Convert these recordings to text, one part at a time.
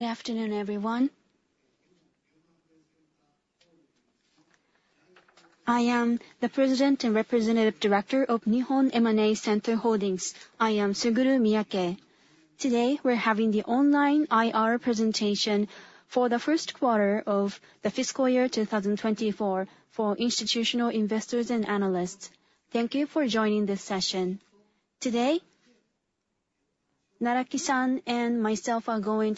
Good afternoon, everyone. I am the president and representative director of Nihon M&A Center Holdings. I am Suguru Miyake. Today, we're having the online IR presentation for the Q1 of the fiscal year 2024 for institutional investors and analysts. Thank you for joining this session. Today, Naraki-san and myself are going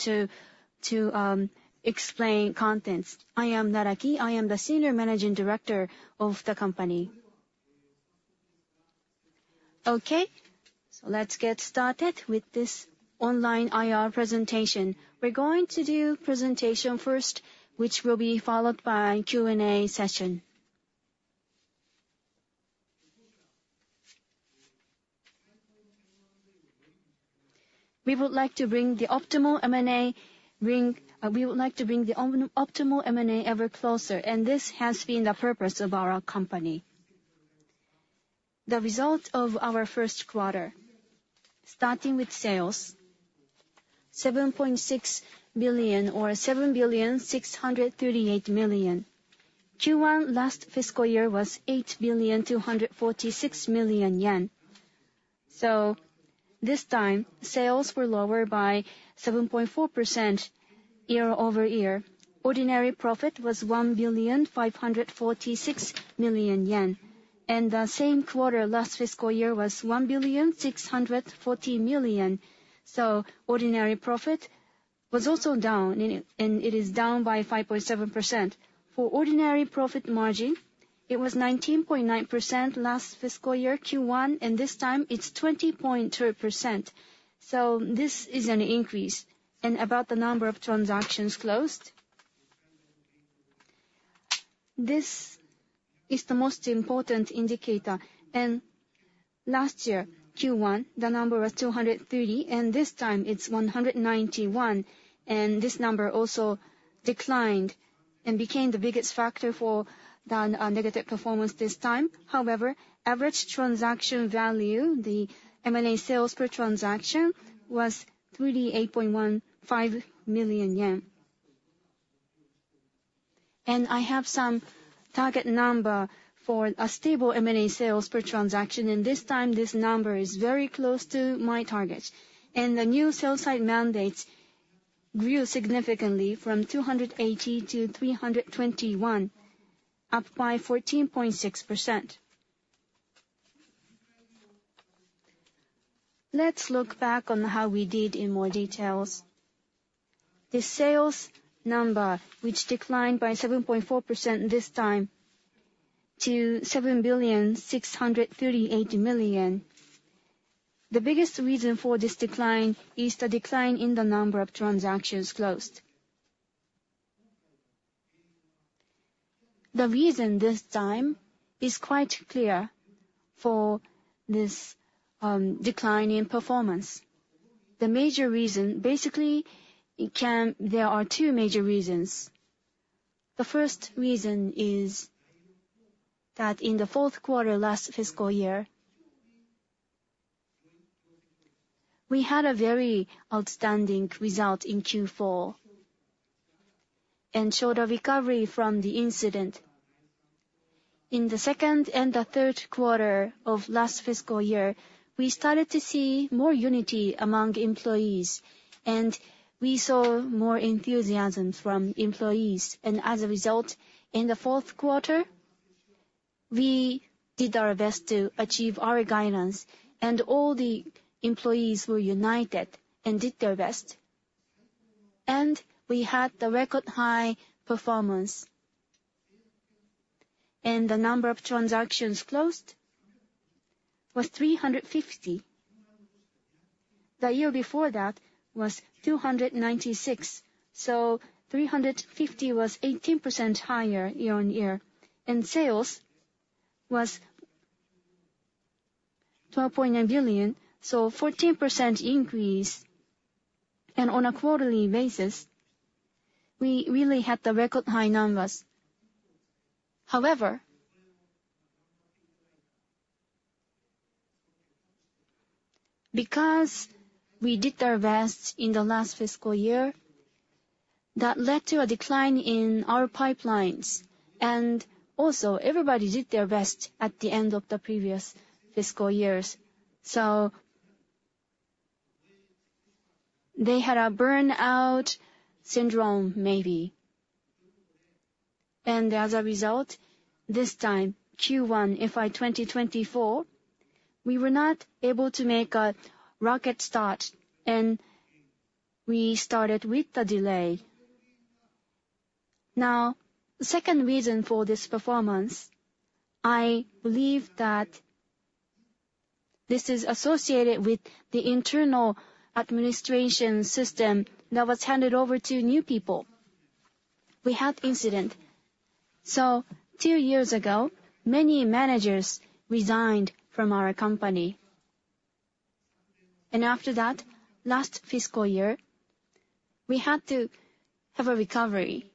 to explain contents. I am Naraki, I am the senior managing director of the company. Okay, so let's get started with this online IR presentation. We're going to do presentation first, which will be followed by Q&A session. We would like to bring the optimal M&A ever closer, and this has been the purpose of our company. The results of our Q1, starting with sales, 7.6 billion or 7,638 million. Q1 last fiscal year was 8,246 million yen. So this time, sales were lower by 7.4% year-over-year. Ordinary profit was 1,546 million yen, and the same quarter last fiscal year was 1,640 million. So ordinary profit was also down, and it is down by 5.7%. For ordinary profit margin, it was 19.9% last fiscal year, Q1, and this time it's 20.2%, so this is an increase. And about the number of transactions closed... This is the most important indicator, and last year, Q1, the number was 230, and this time it's 191, and this number also declined and became the biggest factor for the negative performance this time. However, average transaction value, the M&A sales per transaction, was JPY 38.15 million. I have some target number for a stable M&A sales per transaction, and this time, this number is very close to my targets. The new sell-side mandates grew significantly from 280 to 321, up by 14.6%. Let's look back on how we did in more details. The sales number, which declined by 7.4% this time to 7.638 billion, the biggest reason for this decline is the decline in the number of transactions closed. The reason this time is quite clear for this, decline in performance. The major reason, basically, there are two major reasons. The first reason is that in the Q4, last fiscal year, we had a very outstanding result in Q4, and showed a recovery from the incident. In the second and the Q3 of last fiscal year, we started to see more unity among employees, and we saw more enthusiasm from employees. As a result, in the Q4, we did our best to achieve our guidance, and all the employees were united and did their best, and we had the record-high performance. The number of transactions closed was 350. The year before that was 296, so 350 was 18% higher year-on-year, and sales was JPY 12.9 billion, so 14% increase. On a quarterly basis, we really had the record-high numbers. However, because we did our best in the last fiscal year, that led to a decline in our pipelines, and also everybody did their best at the end of the previous fiscal years, so they had a burnout syndrome, maybe. And as a result, this time, Q1, FY 2024, we were not able to make a rocket start, and we started with the delay. Now, the second reason for this performance, I believe that this is associated with the internal administration system that was handed over to new people. We had incident. So two years ago, many managers resigned from our company, and after that, last fiscal year, we had to have a recovery,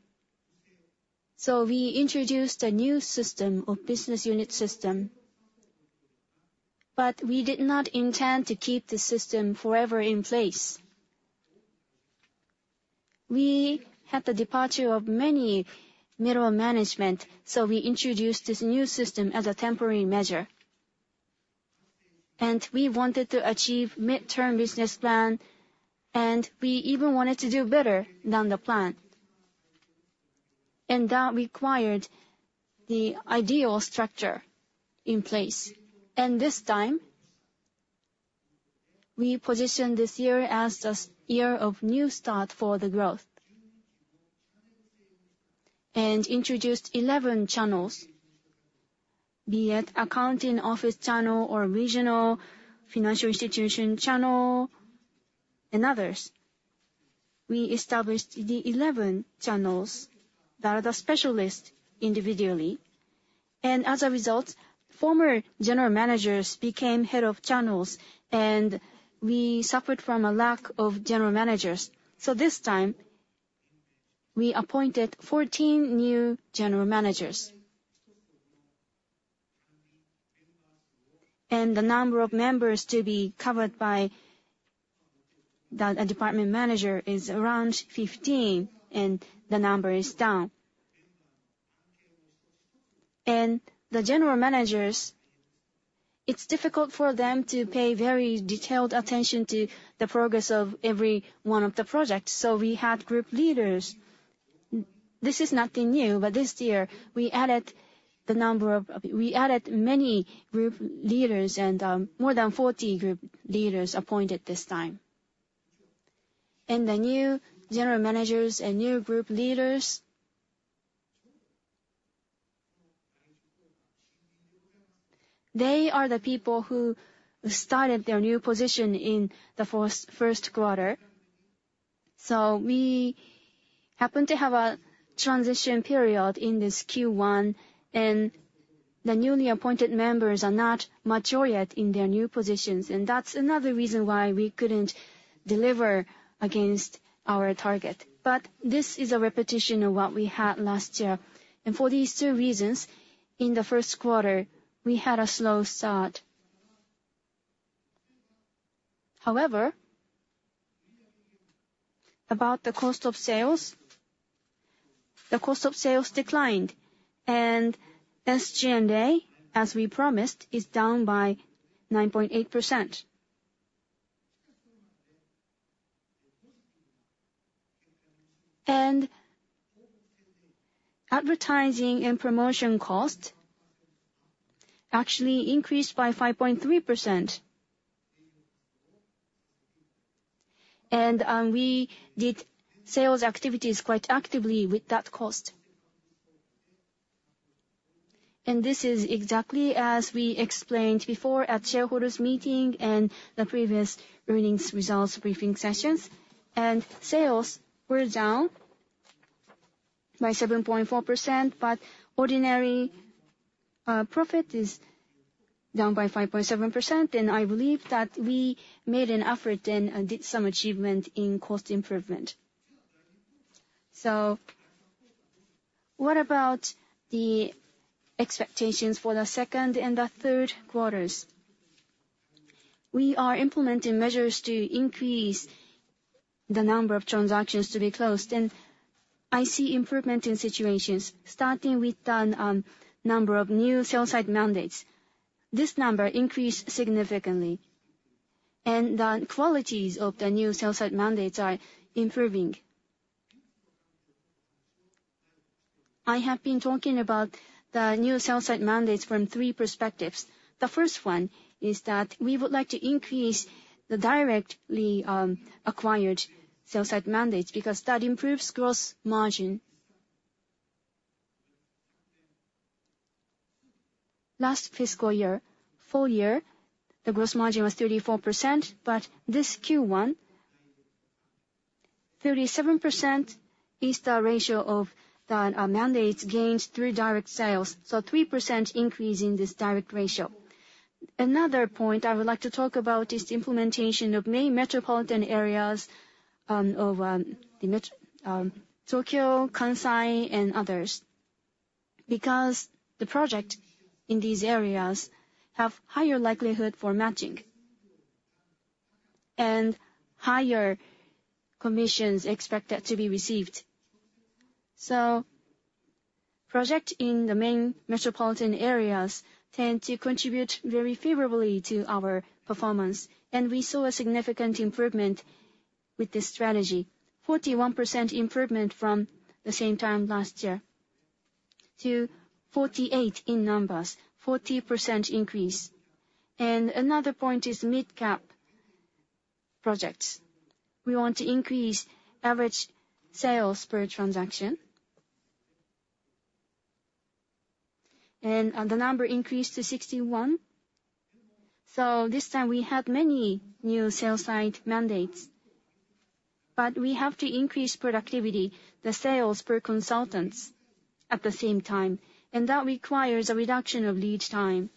so we introduced a new system of business unit system... but we did not intend to keep the system forever in place. We had the departure of many middle management, so we introduced this new system as a temporary measure. We wanted to achieve mid-term business plan, and we even wanted to do better than the plan, and that required the ideal structure in place. This time, we positioned this year as the year of new start for the growth and introduced 11 channels, be it accounting office channel or regional financial institution channel and others. We established the 11 channels that are the specialist individually, and as a result, former general managers became head of channels, and we suffered from a lack of general managers. This time, we appointed 14 new general managers. The number of members to be covered by the department manager is around 15, and the number is down. The general managers, it's difficult for them to pay very detailed attention to the progress of every one of the projects, so we had group leaders. This is nothing new, but this year we added many group leaders, and more than 40 group leaders appointed this time. And the new general managers and new group leaders, they are the people who started their new position in the Q1. So we happened to have a transition period in this Q1, and the newly appointed members are not mature yet in their new positions, and that's another reason why we couldn't deliver against our target. But this is a repetition of what we had last year. And for these two reasons, in the Q1, we had a slow start. However, about the cost of sales, the cost of sales declined, and SG&A, as we promised, is down by 9.8%. And advertising and promotion cost actually increased by 5.3%. And we did sales activities quite actively with that cost. And this is exactly as we explained before at shareholders' meeting and the previous earnings results briefing sessions. And sales were down by 7.4%, but ordinary profit is down by 5.7%, and I believe that we made an effort and did some achievement in cost improvement. So what about the expectations for the second and the Q3s? We are implementing measures to increase the number of transactions to be closed, and I see improvement in situations, starting with the number of new sell-side mandates. This number increased significantly, and the qualities of the new sell-side mandates are improving. I have been talking about the new sell-side mandates from three perspectives. The first one is that we would like to increase the directly acquired sell-side mandates, because that improves gross margin. Last fiscal year, full year, the gross margin was 34%, but this Q1, 37% is the ratio of the mandates gained through direct sales, so 3% increase in this direct ratio. Another point I would like to talk about is the implementation of main metropolitan areas of Tokyo, Kansai and others. Because the project in these areas have higher likelihood for matching and higher commissions expected to be received. So projects in the main metropolitan areas tend to contribute very favorably to our performance, and we saw a significant improvement with this strategy, 41% improvement from the same time last year to 48 in numbers, 40% increase. And another point is mid-cap projects. We want to increase average sales per transaction. And, and the number increased to 61. So this time we had many new sell-side mandates, but we have to increase productivity, the sales per consultants at the same time, and that requires a reduction of lead time.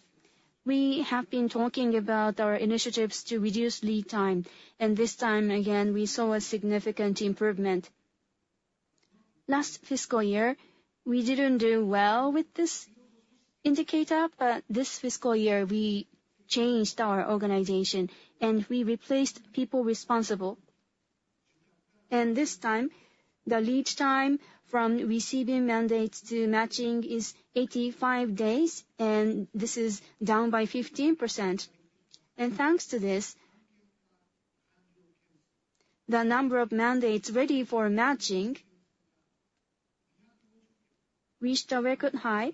We have been talking about our initiatives to reduce lead time, and this time, again, we saw a significant improvement. Last fiscal year, we didn't do well with this indicator, but this fiscal year, we changed our organization, and we replaced people responsible. This time, the lead time from receiving mandates to matching is 85 days, and this is down by 15%. Thanks to this, the number of mandates ready for matching reached a record high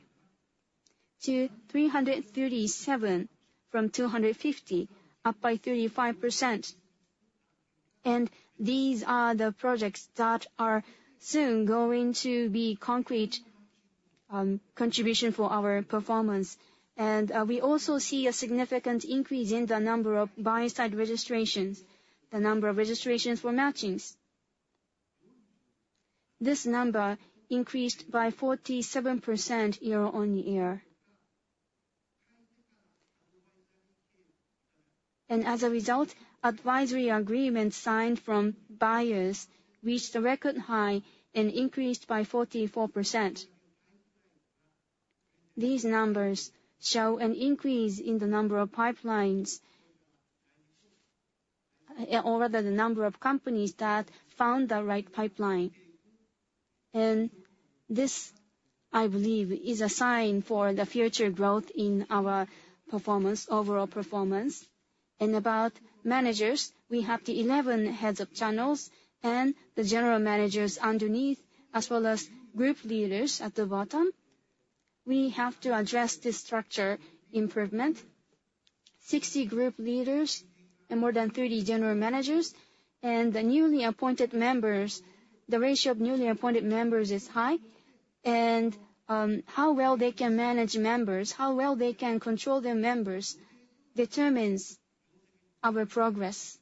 to 337 from 250, up by 35%. These are the projects that are soon going to be concrete contribution for our performance. We also see a significant increase in the number of buy-side registrations, the number of registrations for matchings. This number increased by 47% year-on-year. As a result, advisory agreements signed from buyers reached a record high and increased by 44%. These numbers show an increase in the number of pipelines, or rather, the number of companies that found the right pipeline. This, I believe, is a sign for the future growth in our performance, overall performance. About managers, we have the 11 heads of channels and the general managers underneath, as well as group leaders at the bottom. We have to address this structure improvement. 60 group leaders and more than 30 general managers, and the newly appointed members, the ratio of newly appointed members is high, and how well they can manage members, how well they can control their members, determines our progress.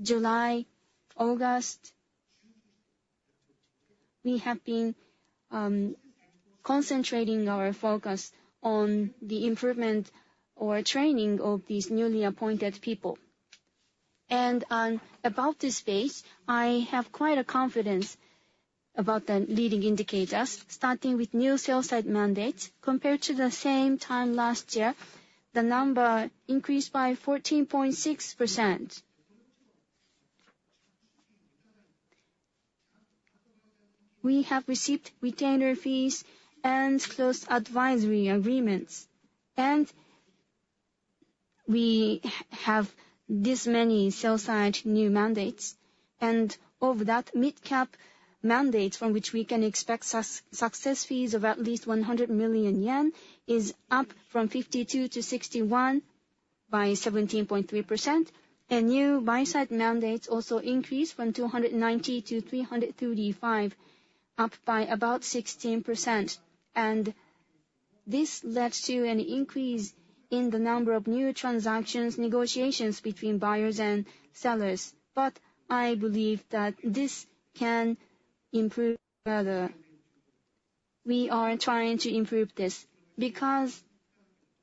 July, August, we have been concentrating our focus on the improvement or training of these newly appointed people. About this space, I have quite a confidence about the leading indicators, starting with new sell-side mandates. Compared to the same time last year, the number increased by 14.6%. We have received retainer fees and closed advisory agreements, and we have this many sell-side new mandates, and of that, mid-cap mandates from which we can expect success fees of at least 100 million yen, is up from 52 to 61, by 17.3%. New buy-side mandates also increased from 290 to 335, up by about 16%. This led to an increase in the number of new transactions, negotiations between buyers and sellers. But I believe that this can improve further. We are trying to improve this, because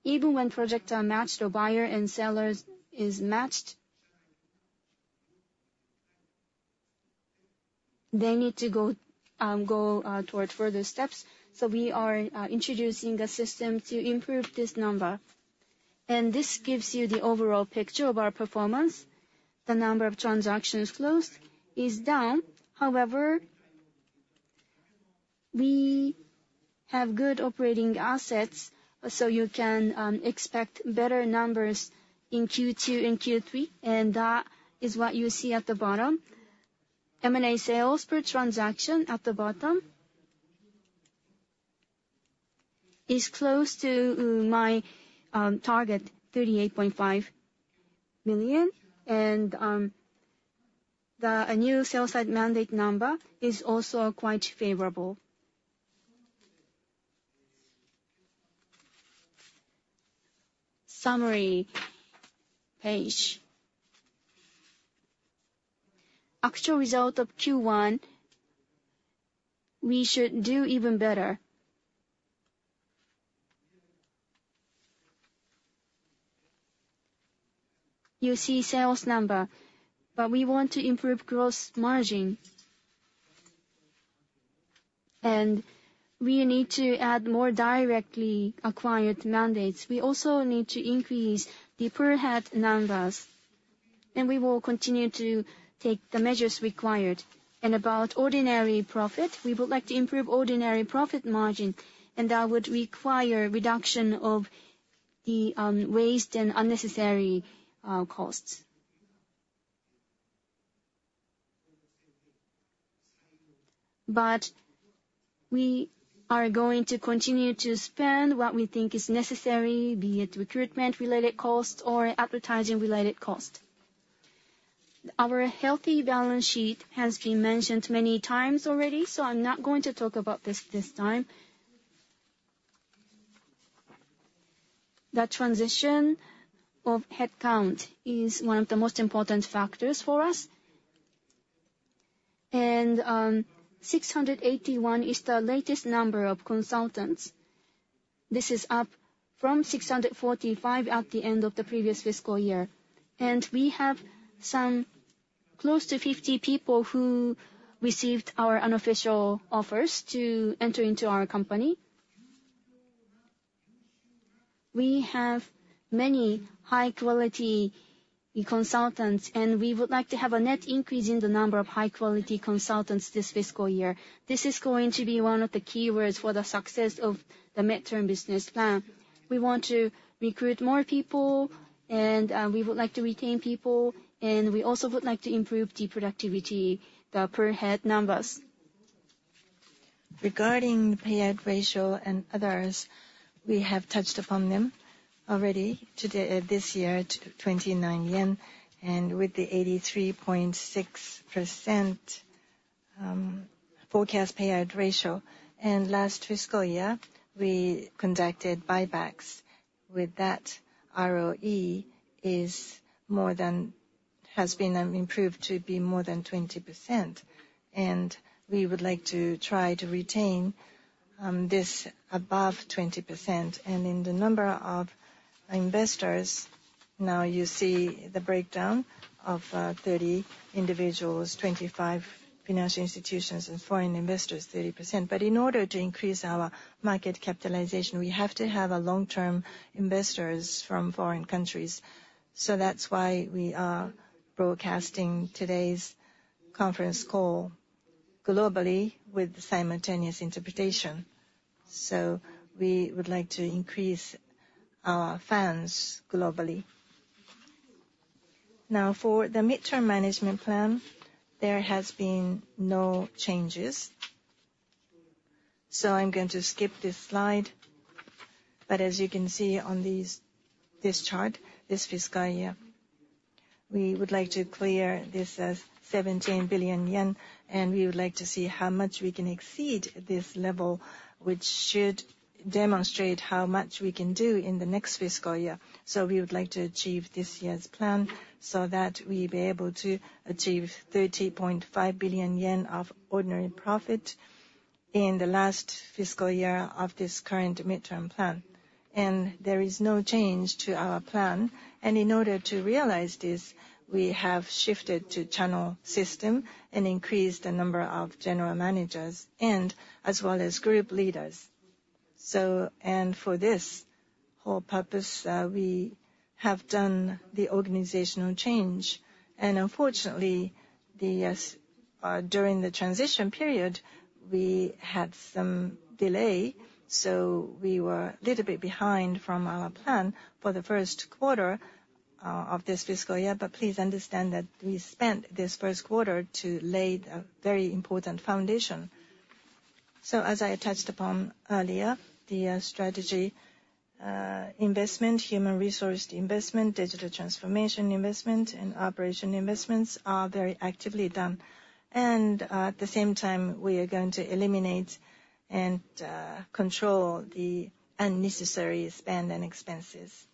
even when projects are matched or buyer and sellers is matched, they need to go toward further steps, so we are introducing a system to improve this number. This gives you the overall picture of our performance. The number of transactions closed is down. However, we have good operating assets, so you can expect better numbers in Q2 and Q3, and that is what you see at the bottom. M&A sales per transaction at the bottom is close to my target, 38.5 million, and a new sell-side mandate number is also quite favorable. Summary page. Actual result of Q1, we should do even better. You see sales number, but we want to improve gross margin, and we need to add more directly acquired mandates. We also need to increase the per-head numbers, and we will continue to take the measures required. And about ordinary profit, we would like to improve ordinary profit margin, and that would require reduction of the waste and unnecessary costs. But we are going to continue to spend what we think is necessary, be it recruitment-related costs or advertising-related costs. Our healthy balance sheet has been mentioned many times already, so I'm not going to talk about this this time. The transition of headcount is one of the most important factors for us and, 681 is the latest number of consultants. This is up from 645 at the end of the previous fiscal year, and we have some close to 50 people who received our unofficial offers to enter into our company. We have many high-quality consultants, and we would like to have a net increase in the number of high-quality consultants this fiscal year. This is going to be one of the key words for the success of the midterm business plan. We want to recruit more people, and we would like to retain people, and we also would like to improve the productivity, the per head numbers. Regarding payout ratio and others, we have touched upon them already. Today, this year, 29 yen, and with the 83.6% forecast payout ratio. Last fiscal year, we conducted buybacks. With that, ROE has been improved to be more than 20%, and we would like to try to retain this above 20%. In the number of investors, now you see the breakdown of 30 individuals, 25 financial institutions, and foreign investors, 30%. But in order to increase our market capitalization, we have to have a long-term investors from foreign countries. So that's why we are broadcasting today's conference call globally with simultaneous interpretation. So we would like to increase our fans globally. Now, for the midterm management plan, there has been no changes, so I'm going to skip this slide. But as you can see on these, this chart, this fiscal year, we would like to clear this, 17 billion yen, and we would like to see how much we can exceed this level, which should demonstrate how much we can do in the next fiscal year. So we would like to achieve this year's plan so that we'll be able to achieve 30.5 billion yen of ordinary profit in the last fiscal year of this current midterm plan. And there is no change to our plan. And in order to realize this, we have shifted to channel system and increased the number of general managers and as well as group leaders. So and for this whole purpose, we have done the organizational change, and unfortunately, during the transition period, we had some delay, so we were a little bit behind from our plan for the Q1 of this fiscal year. But please understand that we spent this Q1 to lay a very important foundation. So as I touched upon earlier, the strategy investment, human resource investment, digital transformation investment, and operation investments are very actively done. And at the same time, we are going to eliminate and control the unnecessary spend and expenses.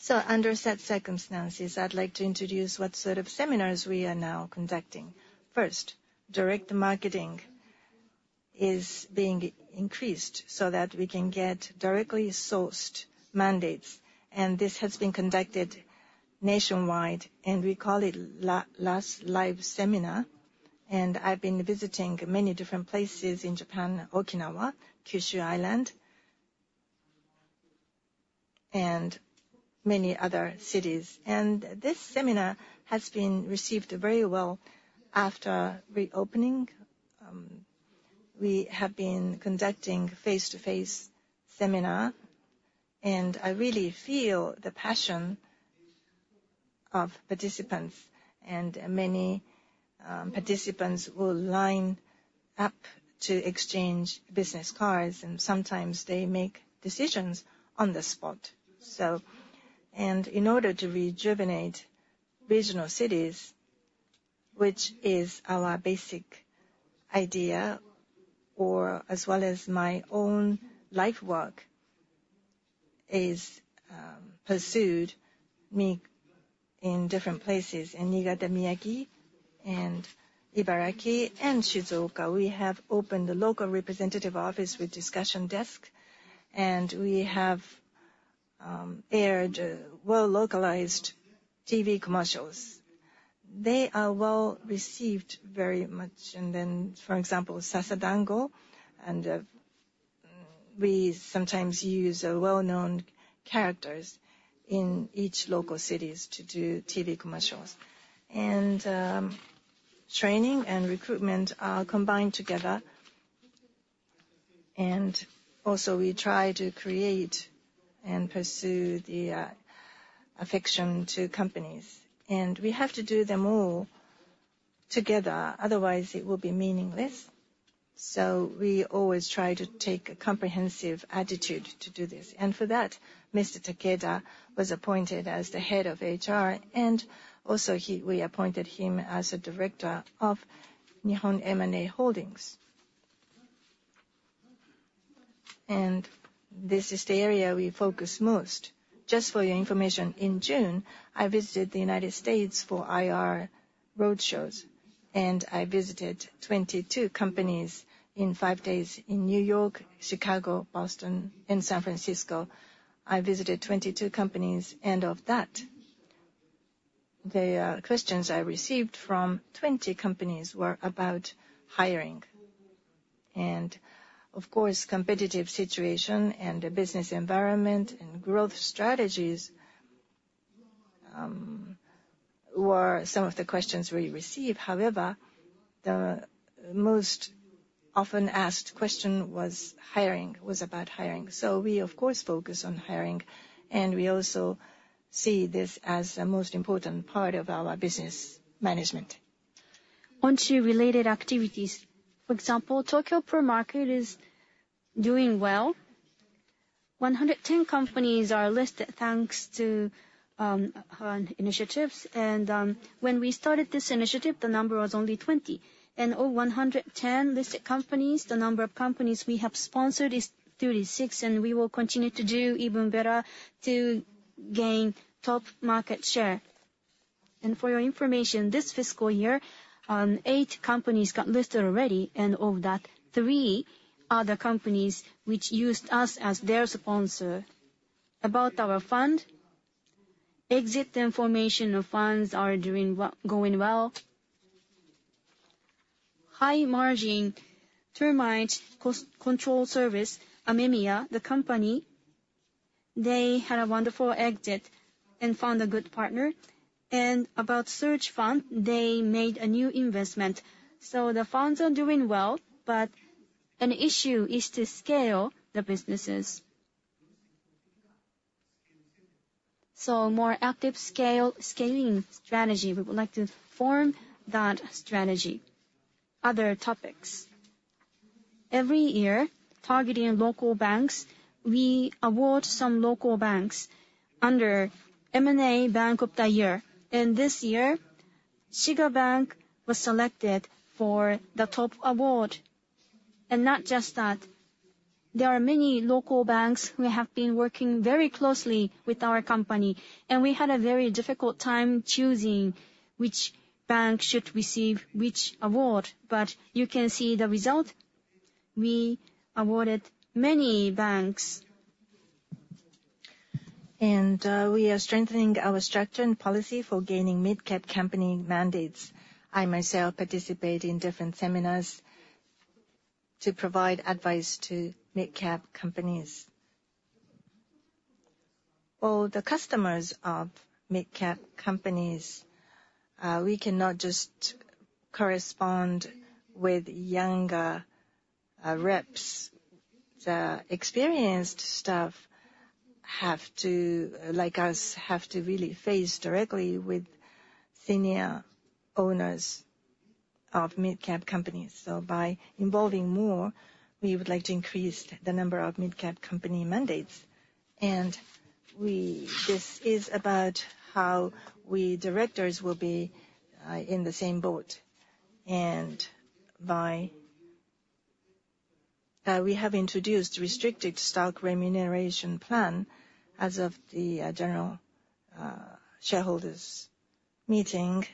So under such circumstances, I'd like to introduce what sort of seminars we are now conducting. First, direct marketing is being increased so that we can get directly sourced mandates, and this has been conducted nationwide, and we call it Realt Live Seminar. I've been visiting many different places in Japan, Okinawa, Kyushu Island, and many other cities. This seminar has been received very well after reopening. We have been conducting face-to-face seminar, and I really feel the passion of participants, and many participants will line up to exchange business cards, and sometimes they make decisions on the spot. In order to rejuvenate regional cities, which is our basic idea, or as well as my own life work, is pursued me in different places. In Niigata, Miyagi, and Ibaraki, and Shizuoka, we have opened a local representative office with discussion desk, and we have aired well-localized TV commercials. They are well received very much. Then, for example, Sasadango, and we sometimes use well-known characters in each local cities to do TV commercials. Training and recruitment are combined together, and also, we try to create and pursue the affection to companies. We have to do them all together, otherwise it will be meaningless. So we always try to take a comprehensive attitude to do this. For that, Mr. Takeda was appointed as the head of HR, and also, we appointed him as a director of Nihon M&A Holdings. This is the area we focus most. Just for your information, in June, I visited the United States for IR roadshows, and I visited 22 companies in five days in New York, Chicago, Boston, and San Francisco. I visited 22 companies, and of that, the questions I received from 20 companies were about hiring. Of course, competitive situation and the business environment and growth strategies were some of the questions we received. However, the most often asked question was hiring, was about hiring. So we, of course, focus on hiring, and we also see this as the most important part of our business management. On to related activities. For example, Tokyo Pro Market is doing well. 110 companies are listed, thanks to our initiatives. When we started this initiative, the number was only 20. Of 110 listed companies, the number of companies we have sponsored is 36, and we will continue to do even better to gain top market share. For your information, this fiscal year, 8 companies got listed already, and of that, 3 are the companies which used us as their sponsor. About our fund, exit information of funds are doing well, going well. High margin termite control service, Apex, the company, they had a wonderful exit and found a good partner. About search fund, they made a new investment. So the funds are doing well, but an issue is to scale the businesses. So, more active scale, scaling strategy, we would like to form that strategy. Other topics. Every year, targeting local banks, we award some local banks under M&A Bank of the Year. This year, Shiga Bank was selected for the top award. Not just that, there are many local banks who have been working very closely with our company, and we had a very difficult time choosing which bank should receive which award. You can see the result, we awarded many banks. And, we are strengthening our structure and policy for gaining mid-cap company mandates. I myself participate in different seminars to provide advice to mid-cap companies. All the customers of mid-cap companies, we cannot just correspond with younger, reps. The experienced staff have to, like us, have to really face directly with senior owners of mid-cap companies. So by involving more, we would like to increase the number of mid-cap company mandates. And this is about how we directors will be in the same boat. And by, we have introduced restricted stock remuneration plan as of the general shareholders' meeting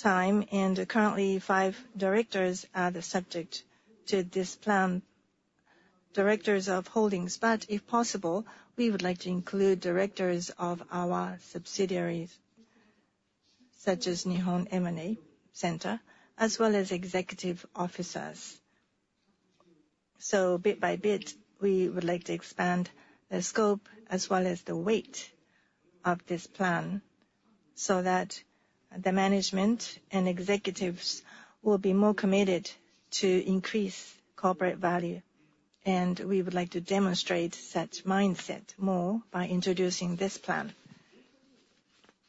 time, and currently, five directors are the subject to this plan, directors of holdings. But if possible, we would like to include directors of our subsidiaries, such as Nihon M&A Center, as well as executive officers. So bit by bit, we would like to expand the scope as well as the weight of this plan, so that the management and executives will be more committed to increase corporate value, and we would like to demonstrate such mindset more by introducing this plan.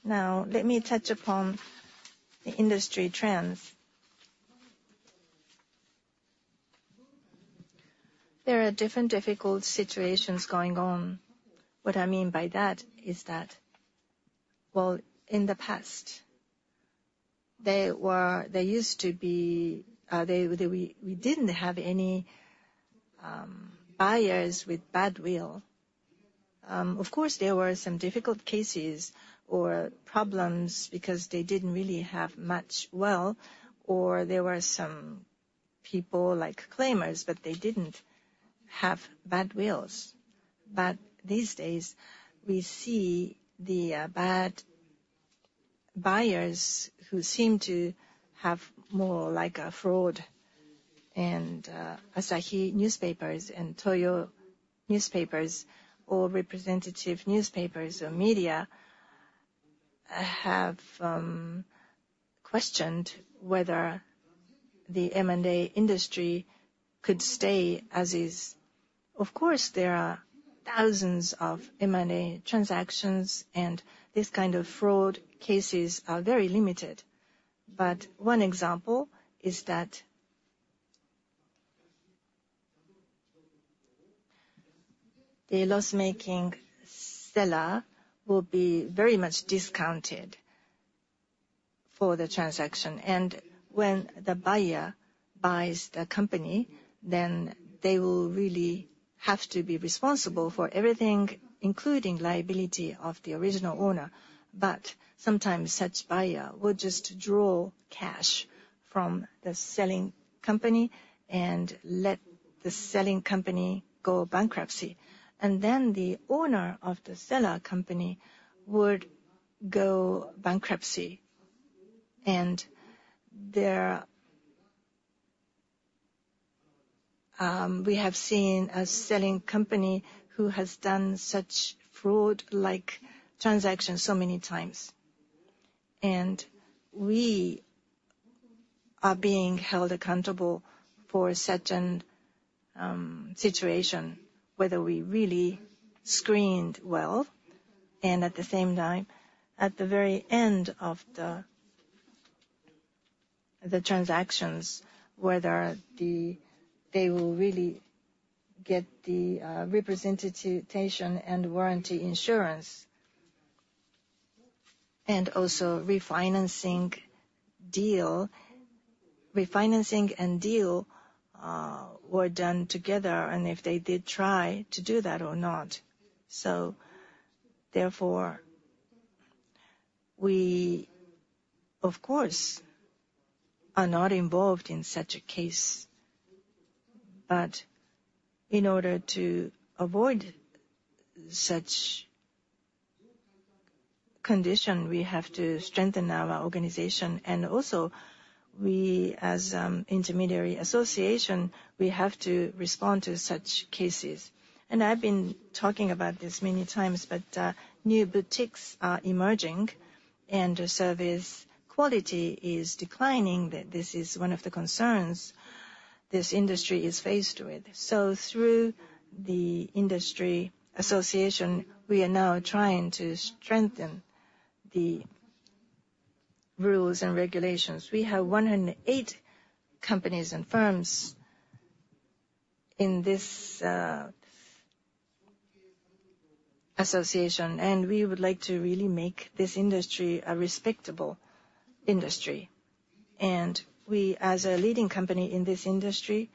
Now, let me touch upon the industry trends. There are different difficult situations going on. What I mean by that is that, well, in the past, there used to be, we didn't have any buyers with bad will. Of course, there were some difficult cases or problems because they didn't really have much wealth, or there were some people like claimers, but they didn't have bad wills. But these days, we see the bad buyers who seem to have more like a fraud. Asahi Shimbun and Tokyo Shimbun, all representative newspapers or media, have questioned whether the M&A industry could stay as is. Of course, there are thousands of M&A transactions, and this kind of fraud cases are very limited. But one example is that the loss-making seller will be very much discounted for the transaction. And when the buyer buys the company, then they will really have to be responsible for everything, including liability of the original owner. But sometimes such buyer will just draw cash from the selling company and let the selling company go bankruptcy. And then the owner of the seller company would go bankruptcy. And there, we have seen a selling company who has done such fraud-like transactions so many times. We are being held accountable for such a situation, whether we really screened well, and at the same time, at the very end of the transactions, whether they will really get the representation and warranty insurance. And also refinancing deal. Refinancing and deal were done together, and if they did try to do that or not. Therefore, we, of course, are not involved in such a case. But in order to avoid such condition, we have to strengthen our organization. And also, we, as intermediary association, we have to respond to such cases. And I've been talking about this many times, but new boutiques are emerging, and the service quality is declining. That this is one of the concerns this industry is faced with. So through the industry association, we are now trying to strengthen the rules and regulations. We have 108 companies and firms in this association, and we would like to really make this industry a respectable industry. We, as a leading company in this industry,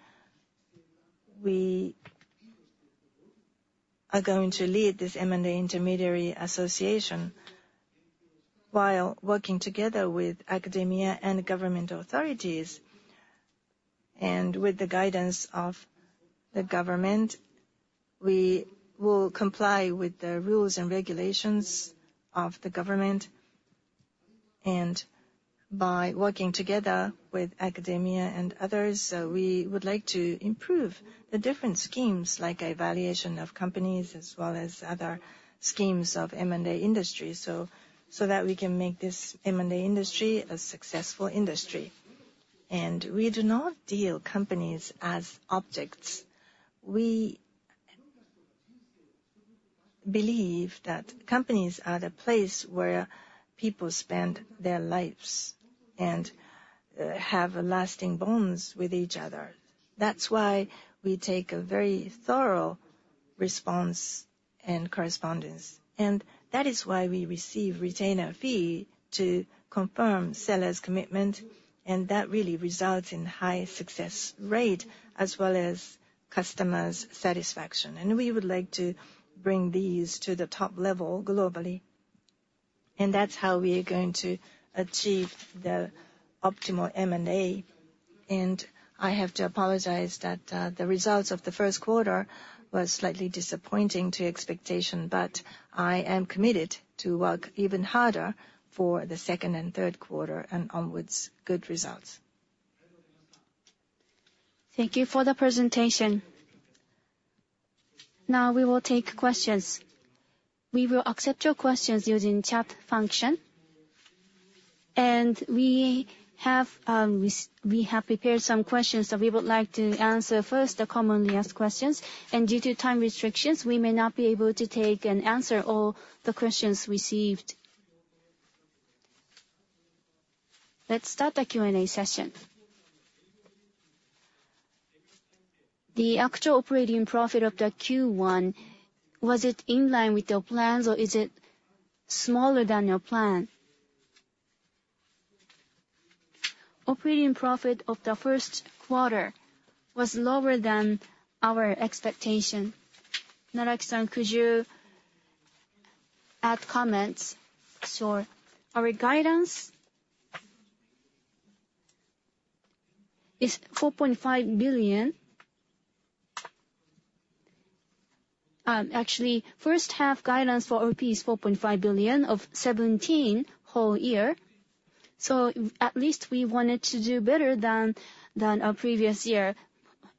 are going to lead this M&A Intermediaries Association while working together with academia and government authorities. With the guidance of the government, we will comply with the rules and regulations of the government. By working together with academia and others, we would like to improve the different schemes, like evaluation of companies, as well as other schemes of M&A industry, so that we can make this M&A industry a successful industry. We do not deal companies as objects. We believe that companies are the place where people spend their lives and have lasting bonds with each other. That's why we take a very thorough response and correspondence, and that is why we receive retainer fee to confirm seller's commitment, and that really results in high success rate as well as customers' satisfaction. And we would like to bring these to the top level globally, and that's how we are going to achieve the optimal M&A. And I have to apologize that, the results of the Q1 was slightly disappointing to expectation, but I am committed to work even harder for the second and Q3, and onwards, good results. Thank you for the presentation. Now we will take questions. We will accept your questions using chat function, and we have prepared some questions that we would like to answer first, the commonly asked questions. Due to time restrictions, we may not be able to take and answer all the questions received. Let's start the Q&A session. The actual operating profit of the Q1, was it in line with your plans, or is it smaller than your plan? Operating profit of the Q1 was lower than our expectation. Naraki-san, could you add comments? Sure. Our guidance is JPY 4.5 billion. Actually, H1 guidance for OP is JPY 4.5 billion, of 17 whole year. So at least we wanted to do better than our previous year,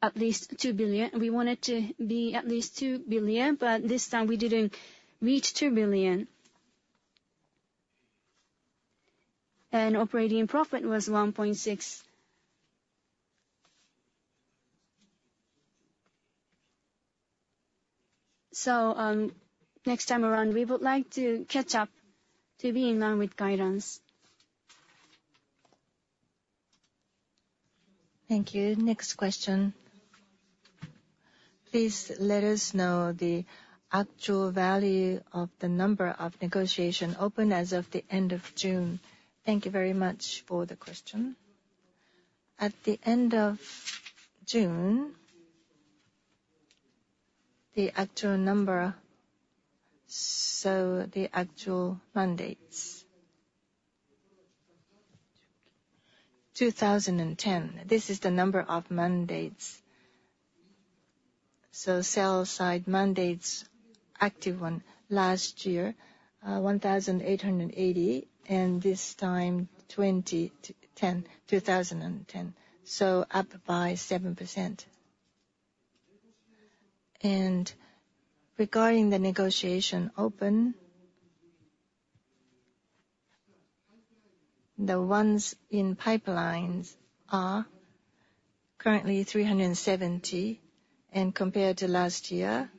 at least 2 billion. We wanted to be at least 2 billion, but this time we didn't reach 2 billion. And operating profit was 1.6 billion. So, next time around, we would like to catch up to be in line with guidance. ... Thank you. Next question, please let us know the actual value of the number of negotiations open as of the end of June. Thank you very much for the question. At the end of June, the actual number, so the actual mandates, 2,010. This is the number of mandates. So sell-side mandates, active one last year, 1,880, and this time 2,010, so up by 7%. And regarding the negotiation open, the ones in pipelines are currently 370, and compared to last year,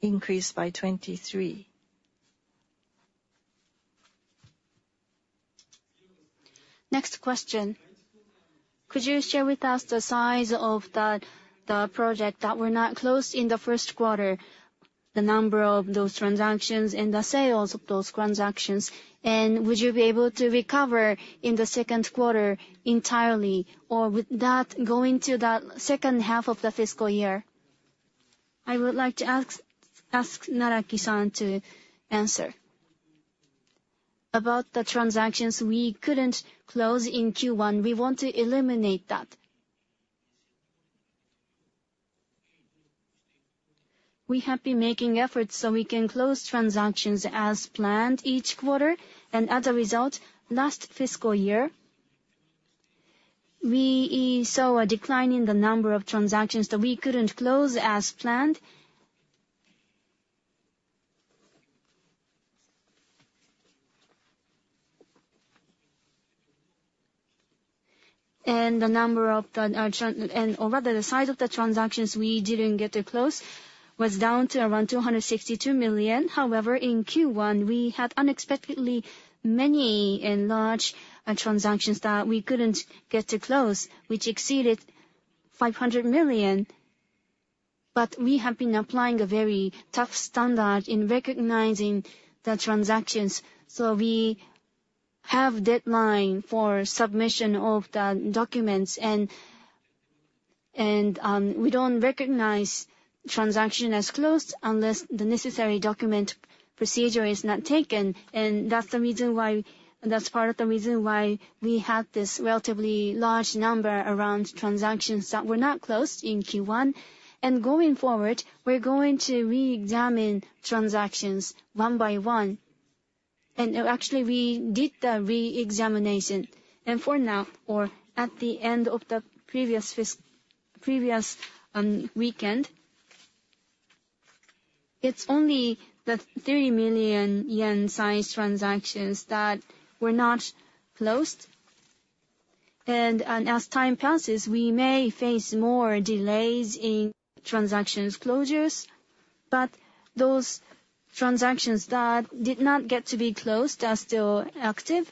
increased by 23. Next question: Could you share with us the size of the project that were not closed in the Q1, the number of those transactions and the sales of those transactions? And would you be able to recover in the Q2 entirely, or would that go into the H2 of the fiscal year? I would like to ask Naraki-san to answer. About the transactions we couldn't close in Q1, we want to eliminate that. We have been making efforts so we can close transactions as planned each quarter. And as a result, last fiscal year, we saw a decline in the number of transactions that we couldn't close as planned. And, or rather, the size of the transactions we didn't get to close was down to around 262 million. However, in Q1, we had unexpectedly many and large transactions that we couldn't get to close, which exceeded 500 million. But we have been applying a very tough standard in recognizing the transactions, so we have deadline for submission of the documents, and we don't recognize transaction as closed unless the necessary document procedure is not taken. That's the reason why, that's part of the reason why we had this relatively large number around transactions that were not closed in Q1. Going forward, we're going to re-examine transactions one by one. Actually, we did the re-examination, and for now, or at the end of the previous weekend, it's only the 30 million yen-sized transactions that were not closed. And as time passes, we may face more delays in transactions closures, but those transactions that did not get to be closed are still active.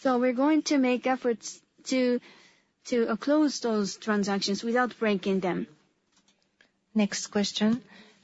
So we're going to make efforts to close those transactions without breaking them. Next question.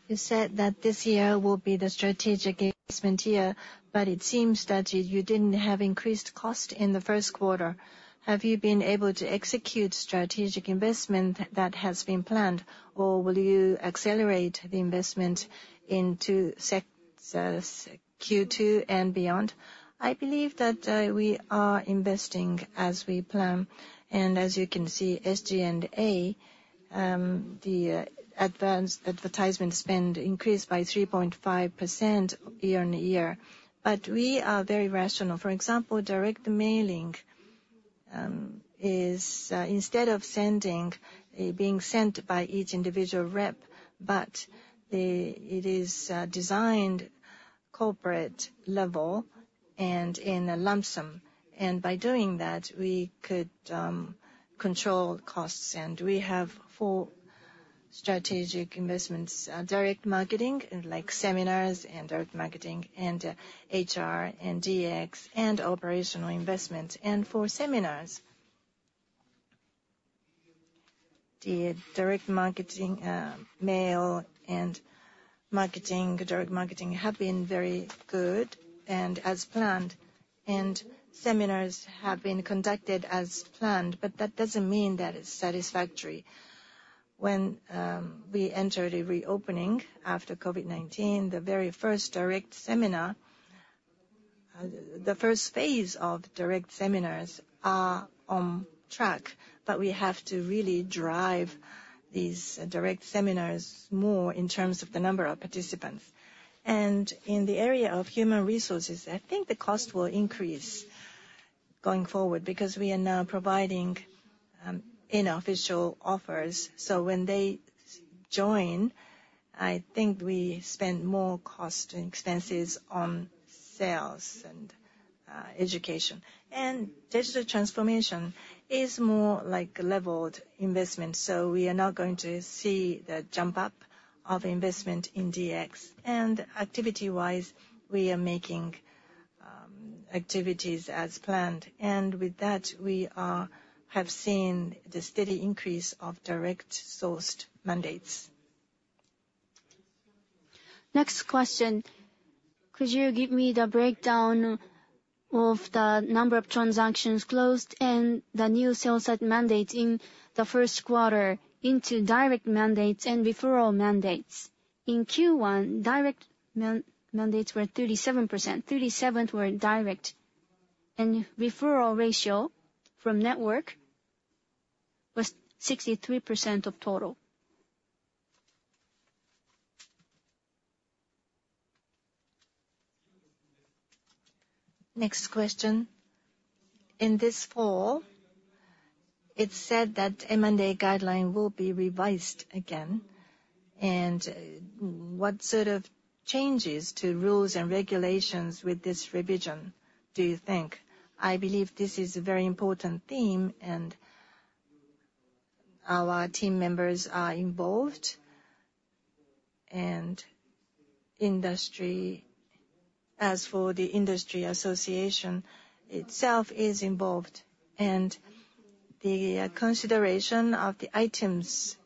You said that this year will be the strategic investment year, but it seems that you, you didn't have increased cost in the Q1. Have you been able to execute strategic investment that has been planned, or will you accelerate the investment into Q2 and beyond? I believe that we are investing as we plan. And as you can see, SG&A, the, advance -- advertisement spend increased by 3.5% year-on-year, but we are very rational. For example, direct mailing, is, instead of sending, being sent by each individual rep, but the... it is, designed corporate level and in a lump sum. And by doing that, we could, control costs. And we have four strategic investments: direct marketing, like seminars and direct marketing, and HR, and DX, and operational investment. And for seminars, the direct marketing, mail and marketing, direct marketing, have been very good and as planned, and seminars have been conducted as planned, but that doesn't mean that it's satisfactory. When we entered a reopening after COVID-19, the very first direct seminar, the first phase of direct seminars are on track, but we have to really drive these direct seminars more in terms of the number of participants. And in the area of human resources, I think the cost will increase going forward, because we are now providing unofficial offers. So when they join, I think we spend more cost and expenses on sales and education. And digital transformation is more like a leveled investment, so we are now going to see the jump up of investment in DX. And activity-wise, we are making activities as planned, and with that, we have seen the steady increase of direct-sourced mandates. Next question, could you give me the breakdown of the number of transactions closed and the new sales at mandate in the Q1 into direct mandates and referral mandates? In Q1, direct mandates were 37%. Thirty-seven were direct, and referral ratio from network was 63% of total. Next question, in this fall, it's said that M&A guideline will be revised again. And what sort of changes to rules and regulations with this revision do you think? I believe this is a very important theme, and our team members are involved, and industry, as for the industry association itself is involved. And the consideration of the items for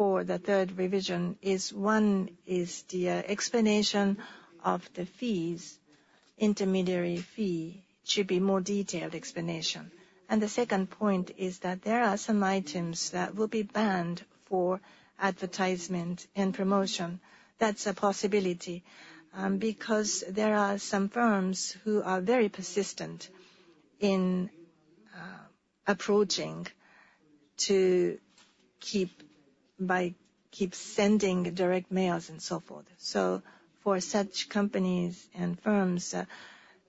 the third revision is, one, the explanation of the fees, intermediary fee should be more detailed explanation. And the second point is that there are some items that will be banned for advertisement and promotion. That's a possibility, because there are some firms who are very persistent in approaching to keep by, keep sending direct mails and so forth. So for such companies and firms,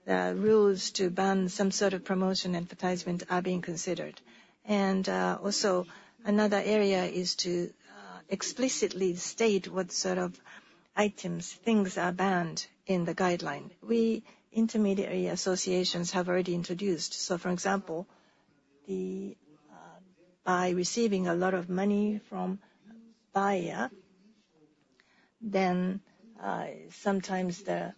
the rules to ban some sort of promotion advertisement are being considered. Another area is to explicitly state what sort of items, things are banned in the guideline. We intermediary associations have already introduced. So for example, by receiving a lot of money from buyer, then sometimes a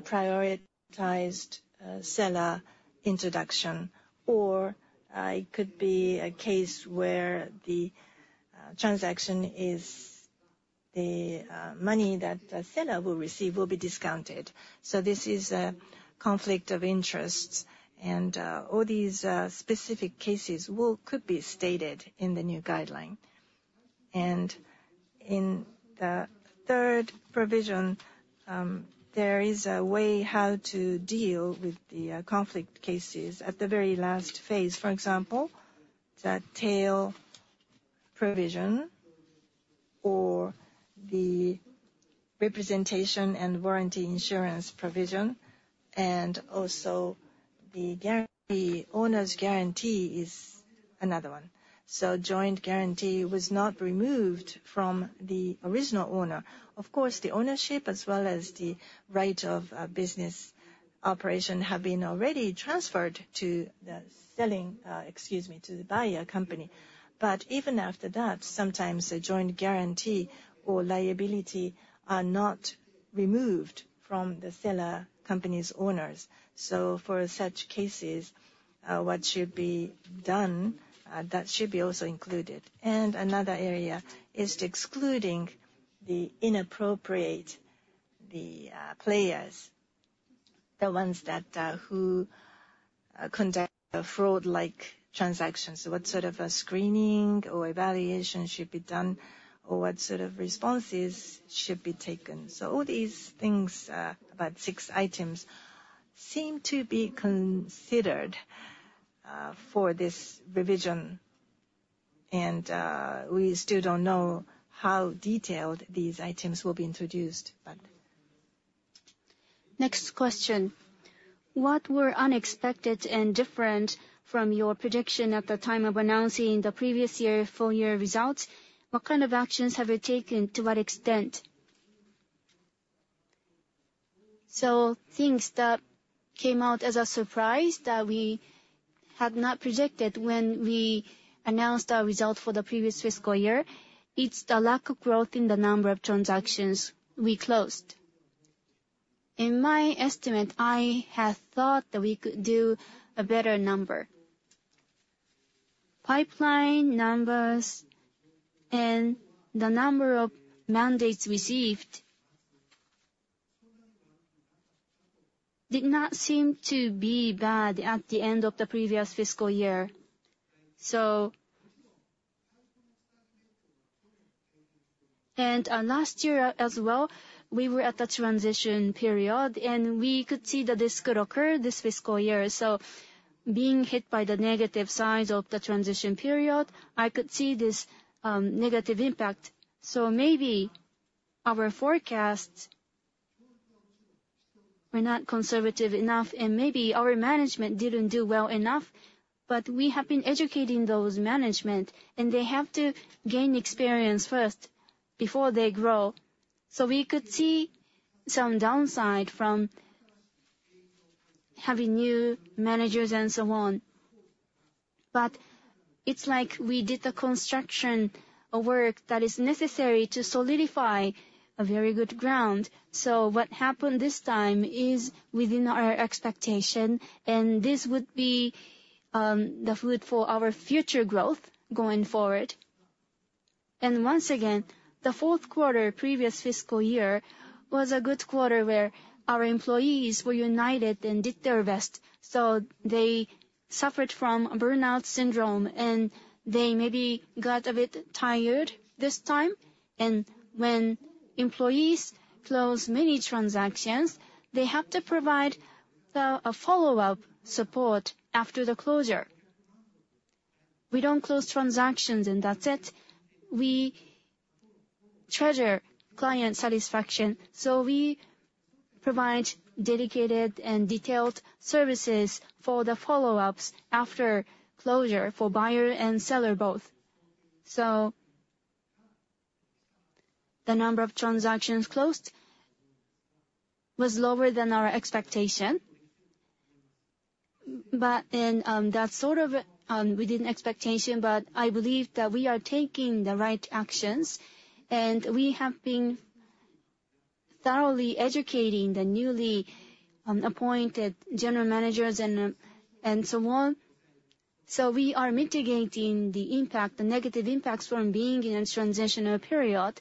prioritized seller introduction, or it could be a case where the transaction is the money that the seller will receive will be discounted. So this is a conflict of interests, and all these specific cases will be stated in the new guideline. And in the third provision, there is a way how to deal with the conflict cases at the very last phase. For example, the tail provision or the representation and warranty insurance provision, and also the owner's guarantee is another one. So joint guarantee was not removed from the original owner. Of course, the ownership as well as the right of business operation have been already transferred to the selling... excuse me, to the buyer company. But even after that, sometimes a joint guarantee or liability are not removed from the seller company's owners. So for such cases, what should be done, that should be also included. And another area is excluding the inappropriate, the players, the ones that who conduct a fraud-like transaction. So what sort of a screening or evaluation should be done, or what sort of responses should be taken? So all these things, about six items, seem to be considered for this revision, and we still don't know how detailed these items will be introduced, but... Next question: What were unexpected and different from your prediction at the time of announcing the previous year full-year results? What kind of actions have you taken? To what extent? So things that came out as a surprise that we had not predicted when we announced our result for the previous fiscal year, it's the lack of growth in the number of transactions we closed. In my estimate, I had thought that we could do a better number. Pipeline numbers and the number of mandates received did not seem to be bad at the end of the previous fiscal year. And last year as well, we were at the transition period, and we could see that this could occur this fiscal year. So being hit by the negative sides of the transition period, I could see this negative impact. So maybe our forecasts were not conservative enough, and maybe our management didn't do well enough.... but we have been educating those management, and they have to gain experience first before they grow. So we could see some downside from having new managers and so on, but it's like we did the construction of work that is necessary to solidify a very good ground. So what happened this time is within our expectation, and this would be the food for our future growth going forward. And once again, the Q4 previous fiscal year was a good quarter where our employees were united and did their best. So they suffered from burnout syndrome, and they maybe got a bit tired this time. And when employees close many transactions, they have to provide a follow-up support after the closure. We don't close transactions and that's it. We treasure client satisfaction, so we provide dedicated and detailed services for the follow-ups after closure for buyer and seller both. So the number of transactions closed was lower than our expectation. But that's sort of within expectation, but I believe that we are taking the right actions, and we have been thoroughly educating the newly appointed general managers and so on. So we are mitigating the impact, the negative impacts from being in a transitional period.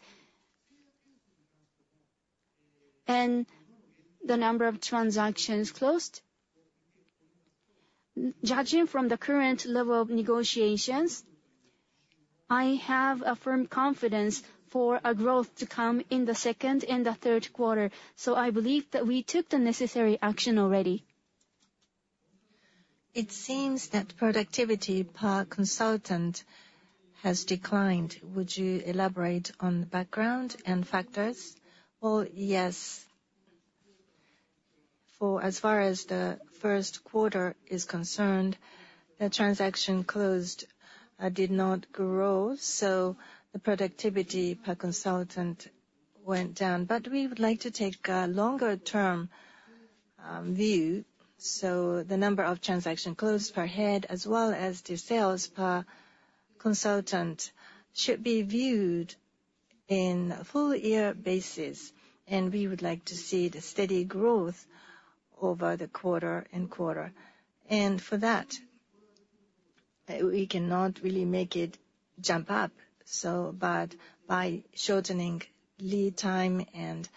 The number of transactions closed, judging from the current level of negotiations, I have a firm confidence for a growth to come in the second and the Q3, so I believe that we took the necessary action already. It seems that productivity per consultant has declined. Would you elaborate on the background and factors? Well, yes. For as far as the Q1 is concerned, the transaction closed did not grow, so the productivity per consultant went down. But we would like to take a longer-term view, so the number of transaction closed per head as well as the sales per consultant should be viewed in full year basis, and we would like to see the steady growth over the quarter-over-quarter. For that, we cannot really make it jump up, so but by shortening lead time and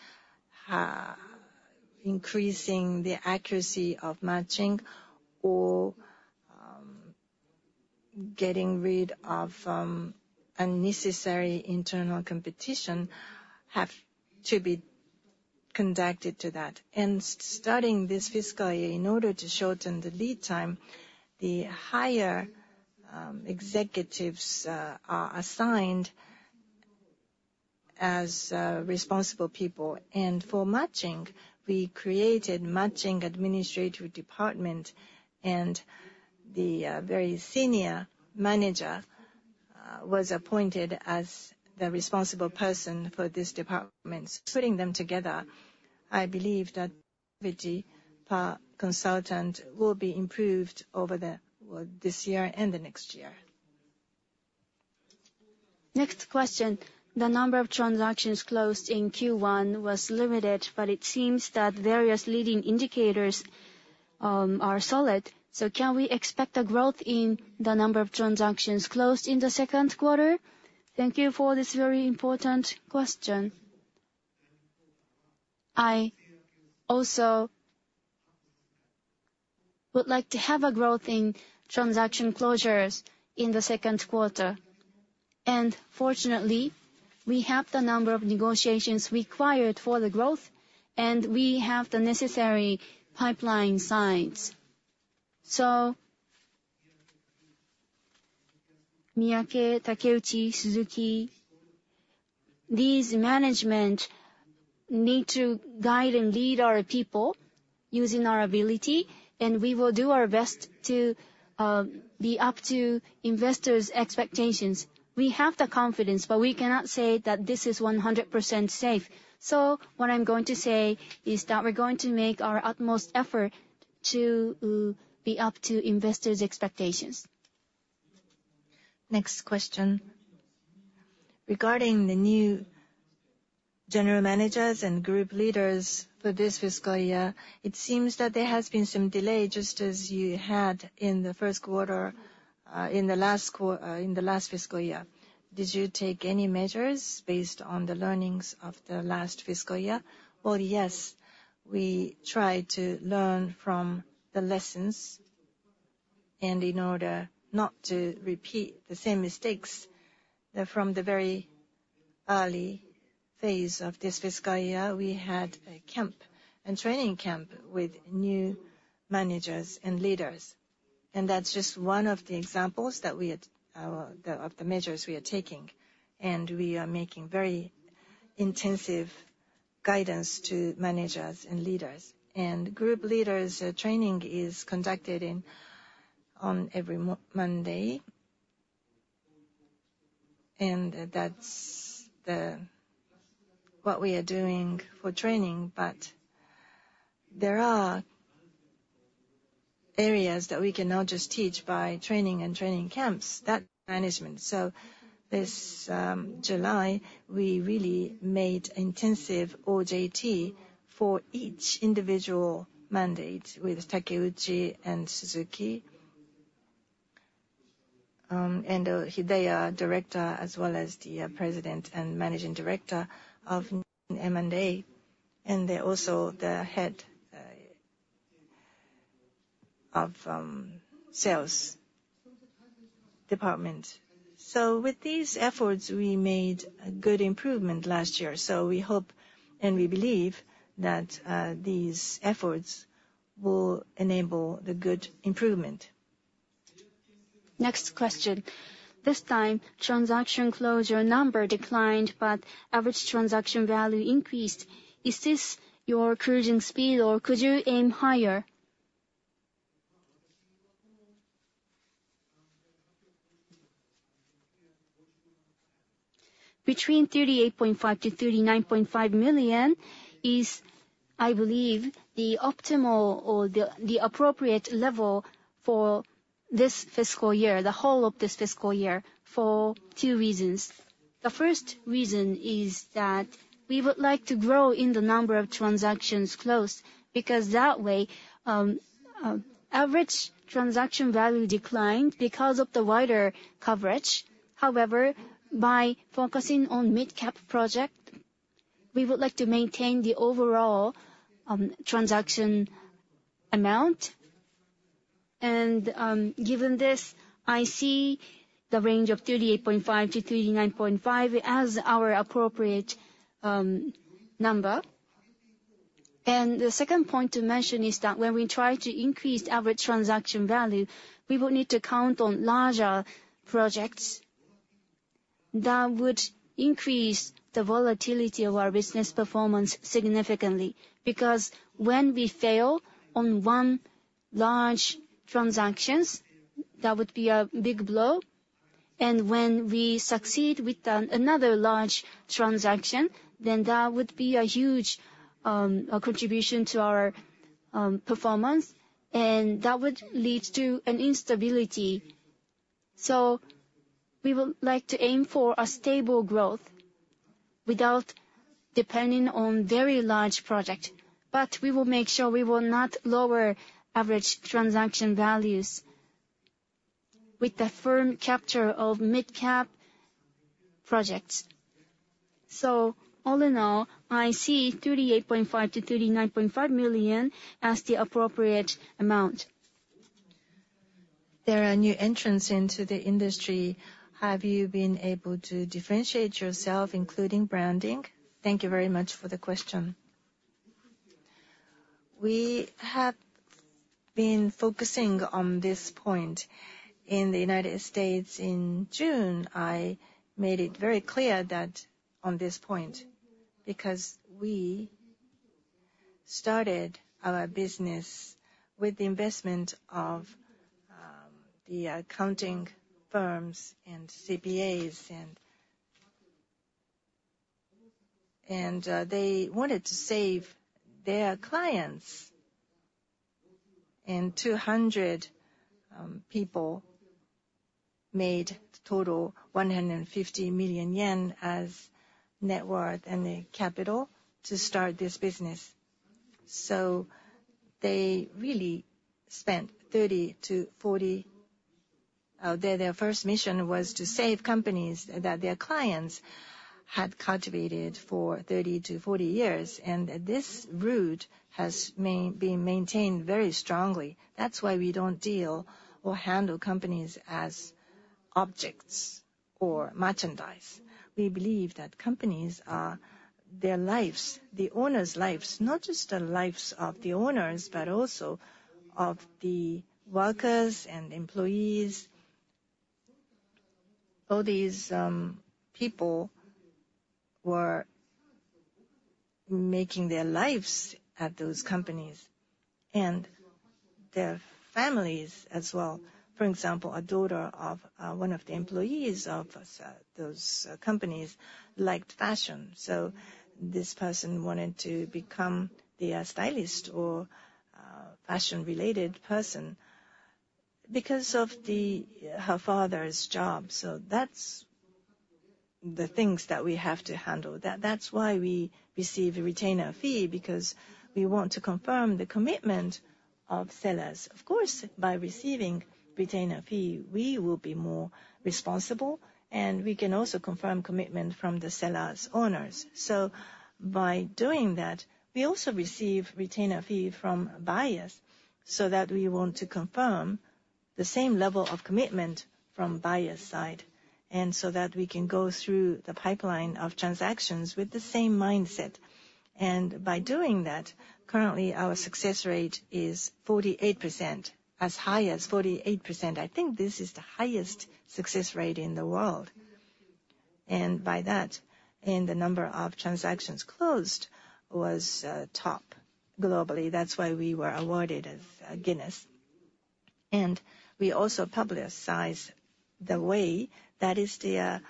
increasing the accuracy of matching or getting rid of unnecessary internal competition, have to be conducted to that. Starting this fiscal year, in order to shorten the lead time, the higher executives are assigned as responsible people. For matching, we created matching administrative department, and the very senior manager was appointed as the responsible person for this department. Putting them together, I believe that per consultant will be improved over the, well, this year and the next year. Next question, the number of transactions closed in Q1 was limited, but it seems that various leading indicators are solid. So can we expect a growth in the number of transactions closed in the Q2? Thank you for this very important question. I also would like to have a growth in transaction closures in the Q2, and fortunately, we have the number of negotiations required for the growth, and we have the necessary pipeline signs. So Miyake, Takeuchi, Suzuki, these management need to guide and lead our people using our ability, and we will do our best to be up to investors' expectations. We have the confidence, but we cannot say that this is 100% safe. So what I'm going to say is that we're going to make our utmost effort to be up to investors' expectations. Next question. Regarding the new general managers and group leaders for this fiscal year, it seems that there has been some delay, just as you had in the Q1, in the last fiscal year. Did you take any measures based on the learnings of the last fiscal year? Well, yes. We tried to learn from the lessons, and in order not to repeat the same mistakes, from the very early phase of this fiscal year, we had a camp, a training camp with new managers and leaders. And that's just one of the examples that we had of the measures we are taking, and we are making very intensive guidance to managers and leaders. And group leaders training is conducted on every Monday, and that's what we are doing for training. But there are areas that we cannot just teach by training and training camps, that management. So this July, we really made intensive OJT for each individual mandate with Takeuchi and Suzuki. And they are Director as well as the President and Managing Director of M&A, and they're also the head of Sales Department. So with these efforts, we made a good improvement last year, so we hope, and we believe that these efforts will enable the good improvement. Next question. This time, transaction closure number declined, but average transaction value increased. Is this your cruising speed, or could you aim higher? Between 38.5 million-39.5 million is, I believe, the optimal or the appropriate level for this fiscal year, the whole of this fiscal year, for two reasons. The first reason is that we would like to grow in the number of transactions closed, because that way, average transaction value declined because of the wider coverage. However, by focusing on mid-cap project, we would like to maintain the overall, transaction amount. Given this, I see the range of 38.5 million-39.5 million as our appropriate, number. The second point to mention is that when we try to increase average transaction value, we will need to count on larger projects that would increase the volatility of our business performance significantly. Because when we fail on one large transactions, that would be a big blow, and when we succeed with another large transaction, then that would be a huge contribution to our performance, and that would lead to an instability. So we would like to aim for a stable growth without depending on very large project, but we will make sure we will not lower average transaction values with the firm capture of mid-cap projects. So all in all, I see 38.5 million-39.5 million as the appropriate amount. There are new entrants into the industry. Have you been able to differentiate yourself, including branding? Thank you very much for the question. We have been focusing on this point. In the United States in June, I made it very clear that on this point, because we started our business with the investment of the accounting firms and CPAs, and they wanted to save their clients. And 200 people made total 150 million yen as net worth and the capital to start this business. So they really spent 30-40... Their first mission was to save companies that their clients had cultivated for 30-40 years, and this route has mainly been maintained very strongly. That's why we don't deal or handle companies as objects or merchandise. We believe that companies are their lives, the owners' lives, not just the lives of the owners, but also of the workers and employees. All these people were making their lives at those companies and their families as well. For example, a daughter of one of the employees of those companies liked fashion, so this person wanted to become the stylist or fashion-related person because of her father's job. So that's the things that we have to handle. That's why we receive a retainer fee, because we want to confirm the commitment of sellers. Of course, by receiving retainer fee, we will be more responsible, and we can also confirm commitment from the sellers' owners. So by doing that, we also receive retainer fee from buyers, so that we want to confirm the same level of commitment from buyer's side, and so that we can go through the pipeline of transactions with the same mindset. And-... By doing that, currently our success rate is 48%, as high as 48%. I think this is the highest success rate in the world. By that, and the number of transactions closed was top globally, that's why we were awarded as a Guinness World Records. We also publicize the way, that is the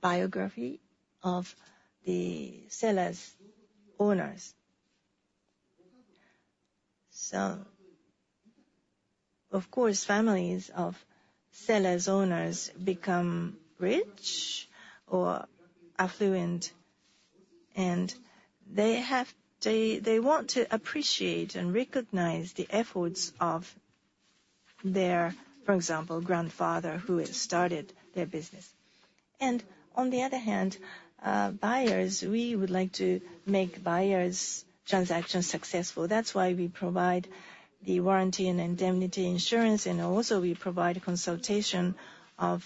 biography of the sellers owners. So of course, families of sellers owners become rich or affluent, and they, they want to appreciate and recognize the efforts of their, for example, grandfather, who has started their business. On the other hand, buyers, we would like to make buyers' transactions successful. That's why we provide the warranty and indemnity insurance, and also we provide consultation of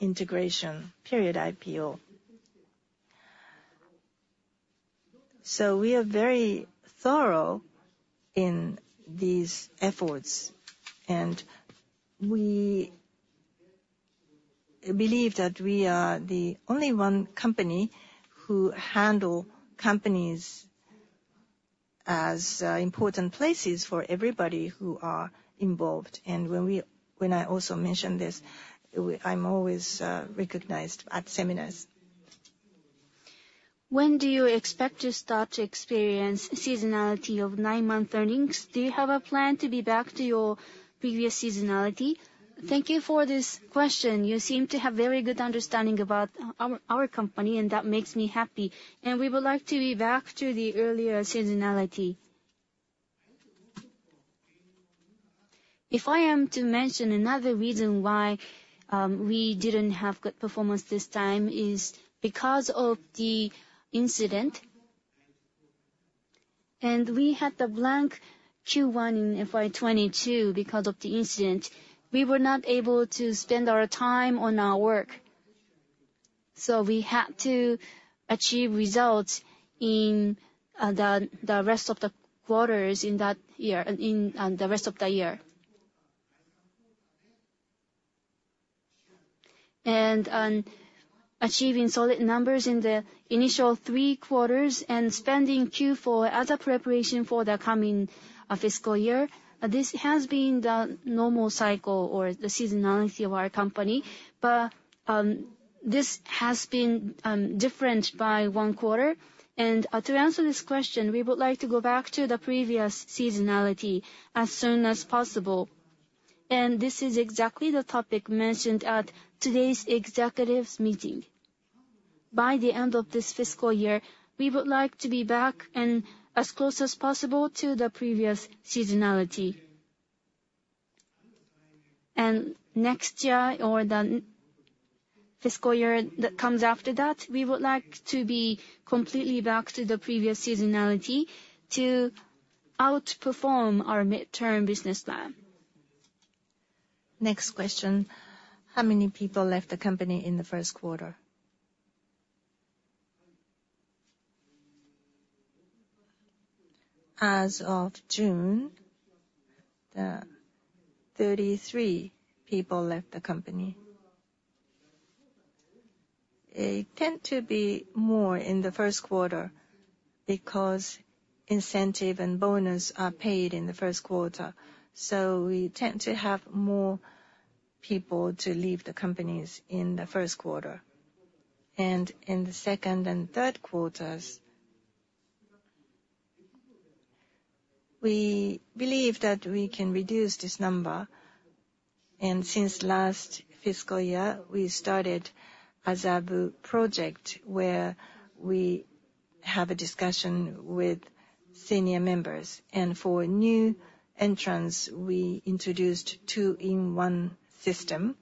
integration period IPO. So we are very thorough in these efforts, and we believe that we are the only one company who handle companies as important places for everybody who are involved. And when I also mention this, I'm always recognized at seminars. When do you expect to start to experience seasonality of nine-month earnings? Do you have a plan to be back to your previous seasonality? Thank you for this question. You seem to have very good understanding about our company, and that makes me happy. And we would like to be back to the earlier seasonality. If I am to mention another reason why we didn't have good performance this time, is because of the incident. And we had the blank Q1 in FY2022 because of the incident. We were not able to spend our time on our work, so we had to achieve results in the rest of the quarters in that year, in the rest of the year. Achieving solid numbers in the initial three quarters and spending Q4 as a preparation for the coming fiscal year, this has been the normal cycle or the seasonality of our company. But this has been different by one quarter. To answer this question, we would like to go back to the previous seasonality as soon as possible. This is exactly the topic mentioned at today's executives meeting. By the end of this fiscal year, we would like to be back and as close as possible to the previous seasonality. And next year, or the fiscal year that comes after that, we would like to be completely back to the previous seasonality to outperform our midterm business plan. Next question: How many people left the company in the Q1? As of June, 33 people left the company. It tend to be more in the Q1 because incentive and bonus are paid in the Q1, so we tend to have more people to leave the companies in the Q1. And in the second and Q3s, we believe that we can reduce this number. And since last fiscal year, we started Azabu Project, where we have a discussion with senior members. And for new entrants, we introduced two in one system,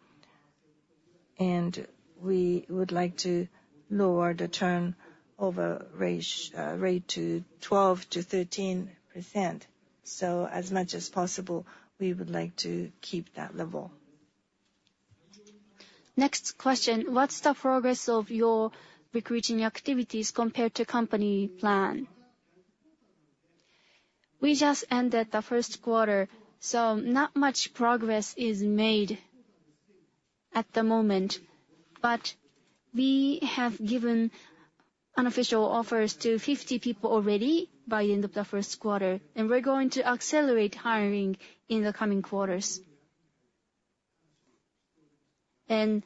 and we would like to lower the turnover rate to 12%-13%. So as much as possible, we would like to keep that level. Next question: What's the progress of your recruiting activities compared to company plan? We just ended the Q1, so not much progress is made at the moment, but we have given unofficial offers to 50 people already by the end of the Q1, and we're going to accelerate hiring in the coming quarters. And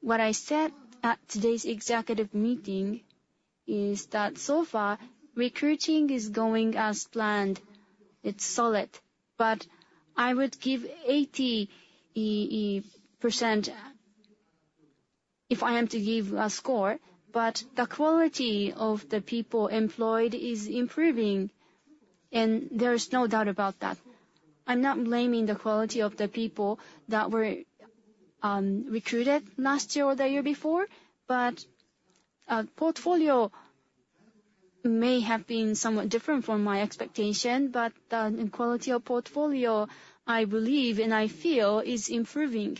what I said at today's executive meeting is that so far, recruiting is going as planned. It's solid, but I would give 80% if I am to give a score, but the quality of the people employed is improving, and there is no doubt about that. I'm not blaming the quality of the people that were recruited last year or the year before, but portfolio may have been somewhat different from my expectation, but the quality of portfolio, I believe and I feel, is improving.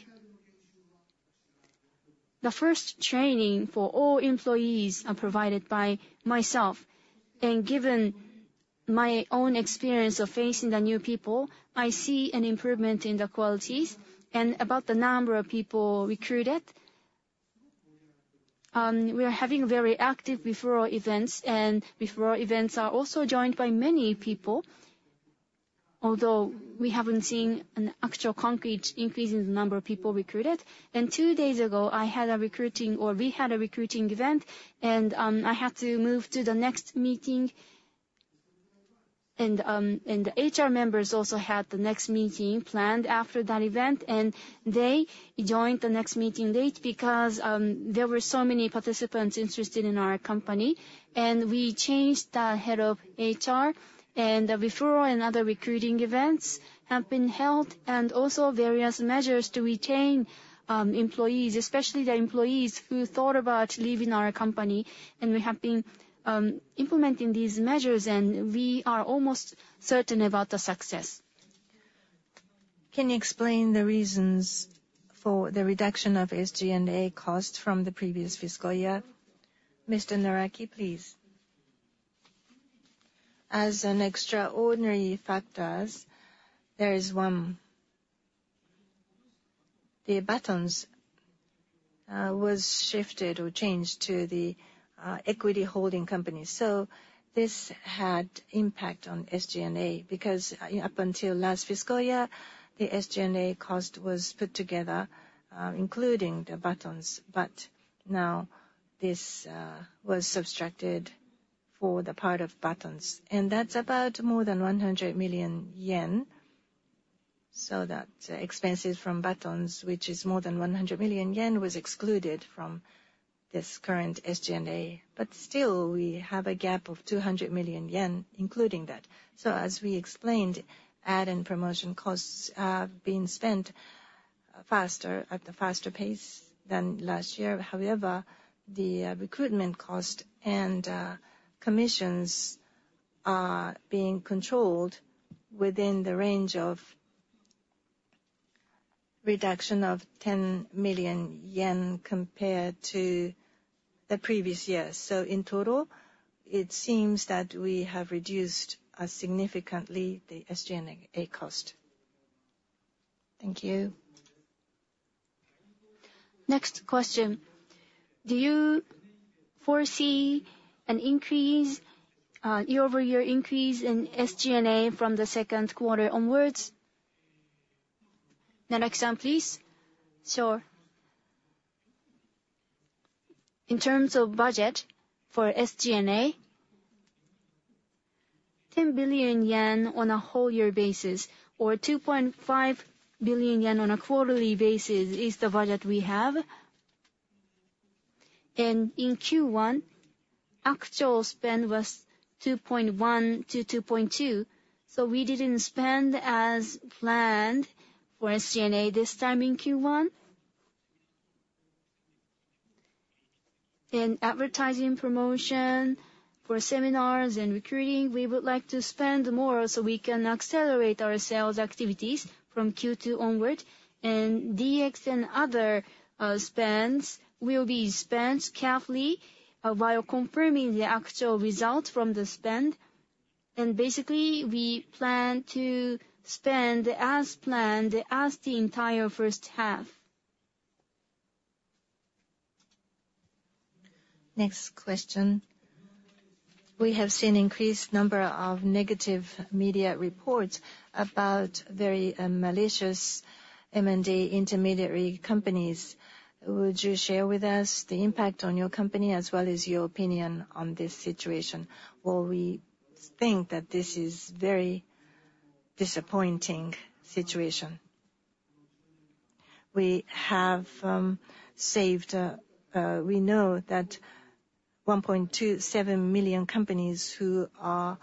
...The first training for all employees are provided by myself, and given my own experience of facing the new people, I see an improvement in the qualities. About the number of people recruited, we are having very active referral events, and referral events are also joined by many people, although we haven't seen an actual concrete increase in the number of people recruited. Two days ago, I had a recruiting, or we had a recruiting event, and I had to move to the next meeting. The HR members also had the next meeting planned after that event, and they joined the next meeting late because there were so many participants interested in our company. We changed the head of HR, and the referral and other recruiting events have been held, and also various measures to retain employees, especially the employees who thought about leaving our company. We have been implementing these measures, and we are almost certain about the success. Can you explain the reasons for the reduction of SG&A costs from the previous fiscal year? Mr. Naruki, please. As an extraordinary factors, there is one. The Batonz was shifted or changed to the equity holding company. So this had impact on SG&A, because up until last fiscal year, the SG&A cost was put together including the Batonz, but now this was subtracted for the part of Batonz, and that's about more than 100 million yen. So that expenses from Batonz, which is more than 100 million yen, was excluded from this current SG&A. But still, we have a gap of 200 million yen, including that. So as we explained, ad and promotion costs are being spent faster, at a faster pace than last year. However, the recruitment cost and commissions are being controlled within the range of reduction of 10 million yen, compared to the previous year. So in total, it seems that we have reduced significantly the SG&A cost. Thank you. Next question: Do you foresee an increase, year-over-year increase in SG&A from the Q2 onwards? The next one, please. Sure. In terms of budget for SG&A, 10 billion yen on a whole year basis, or 2.5 billion yen on a quarterly basis, is the budget we have. In Q1, actual spend was 2.1 billion-2.2 billion, so we didn't spend as planned for SG&A this time in Q1. In advertising promotion for seminars and recruiting, we would like to spend more so we can accelerate our sales activities from Q2 onward. DX and other spends will be spent carefully while confirming the actual results from the spend. Basically, we plan to spend as planned as the entire H1. Next question: We have seen increased number of negative media reports about very malicious M&A intermediary companies. Would you share with us the impact on your company, as well as your opinion on this situation? Well, we think that this is very disappointing situation. We know that 1.27 million companies who are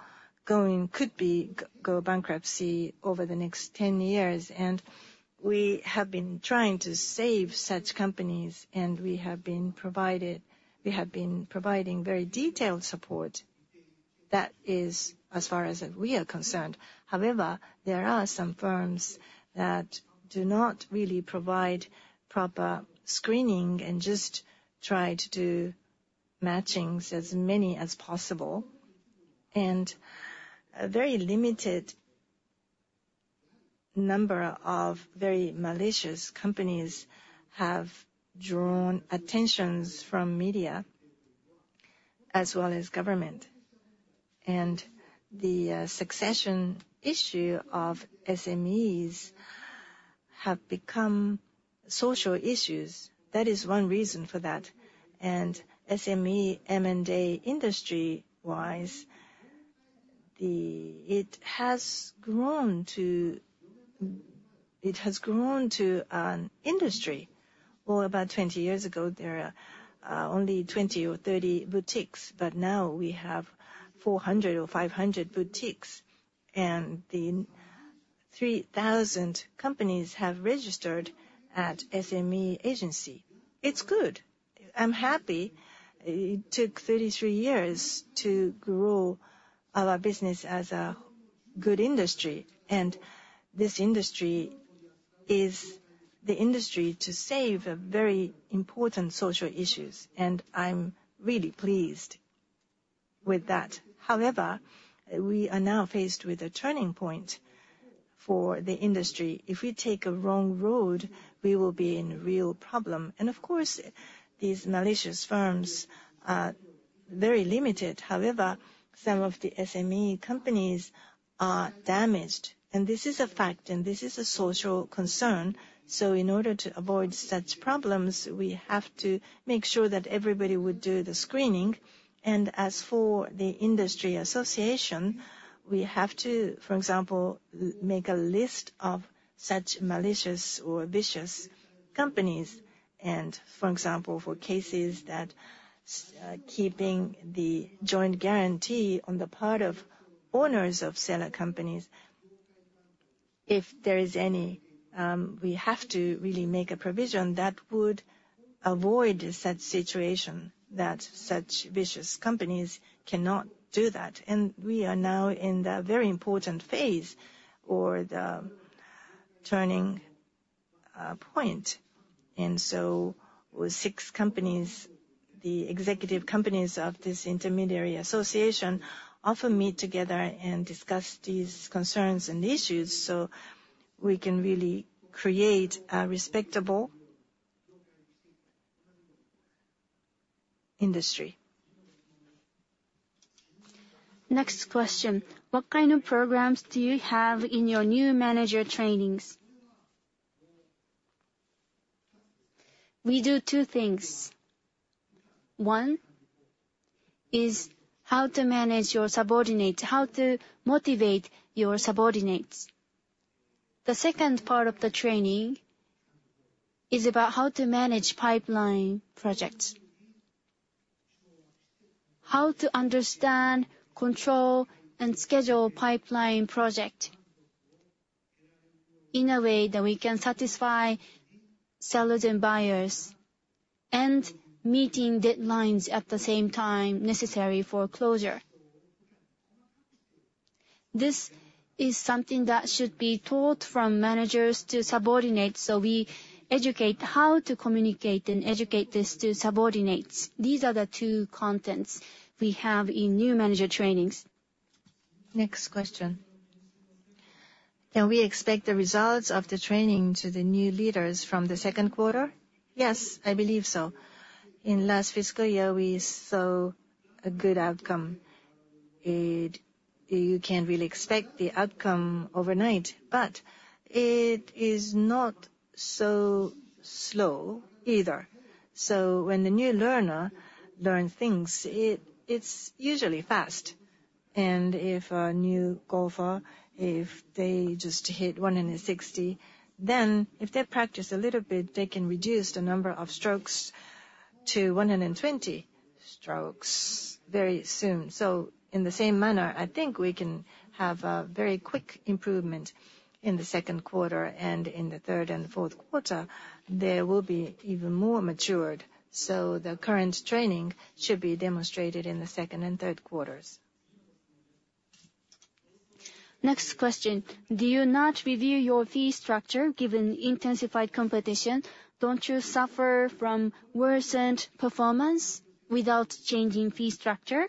going could go bankrupt over the next 10 years, and we have been trying to save such companies, and we have been providing very detailed support. That is as far as we are concerned. However, there are some firms that do not really provide proper screening and just try to do matchings, as many as possible. And a very limited number of very malicious companies have drawn attention from media, as well as government. And the succession issue of SMEs have become social issues. That is one reason for that. SME M&A industry-wise, it has grown to an industry. Well, about 20 years ago, there are only 20 or 30 boutiques, but now we have 400 or 500 boutiques. And the 3,000 companies have registered at SME Agency. It's good. I'm happy it took 33 years to grow our business as a good industry, and this industry is the industry to save a very important social issues, and I'm really pleased with that. However, we are now faced with a turning point for the industry. If we take a wrong road, we will be in real problem. And of course, these malicious firms are very limited, however, some of the SME companies are damaged, and this is a fact, and this is a social concern. So in order to avoid such problems, we have to make sure that everybody would do the screening. And as for the industry association, we have to, for example, make a list of such malicious or vicious companies. And for example, for cases that keeping the joint guarantee on the part of owners of seller companies, if there is any, we have to really make a provision that would avoid such situation, that such vicious companies cannot do that. And we are now in the very important phase or the turning point. And so with six companies, the executive companies of this intermediary association often meet together and discuss these concerns and issues, so we can really create a respectable industry. Next question: What kind of programs do you have in your new manager trainings? We do two things. One is how to manage your subordinates, how to motivate your subordinates. The second part of the training is about how to manage pipeline projects. How to understand, control, and schedule pipeline project in a way that we can satisfy sellers and buyers, and meeting deadlines at the same time necessary for closure. This is something that should be taught from managers to subordinates, so we educate how to communicate and educate this to subordinates. These are the two contents we have in new manager trainings. Next question. Can we expect the results of the training to the new leaders from the Q2? Yes, I believe so. In last fiscal year, we saw a good outcome. It - you can't really expect the outcome overnight, but it is not so slow either. So when the new learner learn things, it, it's usually fast. And if a new golfer, if they just hit 160, then if they practice a little bit, they can reduce the number of strokes to 120 strokes very soon. So in the same manner, I think we can have a very quick improvement in the Q2, and in the third and Q4, they will be even more matured. So the current training should be demonstrated in the second and Q3s. Next question: Do you not review your fee structure, given intensified competition? Don't you suffer from worsened performance without changing fee structure?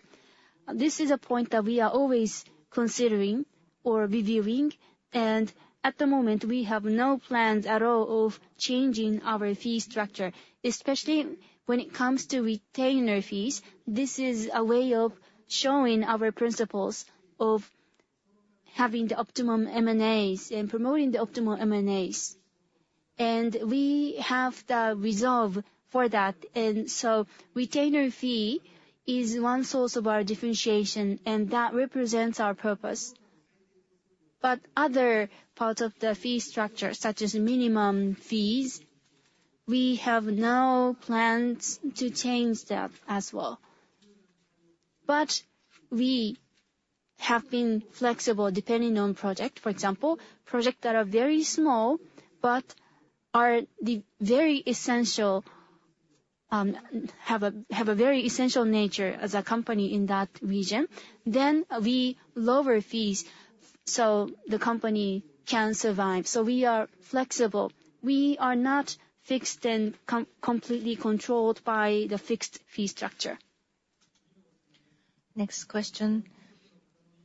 This is a point that we are always considering or reviewing, and at the moment, we have no plans at all of changing our fee structure. Especially when it comes to retainer fees, this is a way of showing our principles of having the optimum M&As and promoting the optimal M&As, and we have the resolve for that. And so retainer fee is one source of our differentiation, and that represents our purpose. But other parts of the fee structure, such as minimum fees, we have no plans to change that as well. But we have been flexible depending on project. For example, projects that are very small but are the very essential, have a very essential nature as a company in that region, then we lower fees so the company can survive. So we are flexible. We are not fixed and completely controlled by the fixed fee structure. Next question: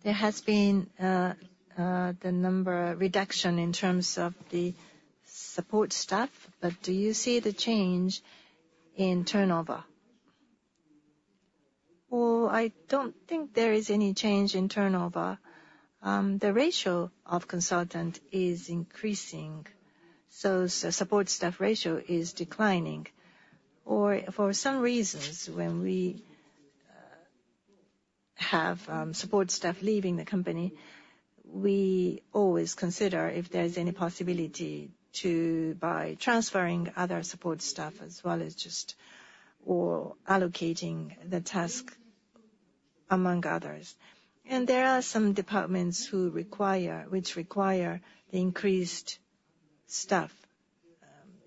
There has been the number reduction in terms of the support staff, but do you see the change in turnover? Well, I don't think there is any change in turnover. The ratio of consultant is increasing, so support staff ratio is declining. Or for some reasons, when we have support staff leaving the company, we always consider if there is any possibility to, by transferring other support staff as well as just or allocating the task among others. And there are some departments which require increased staff.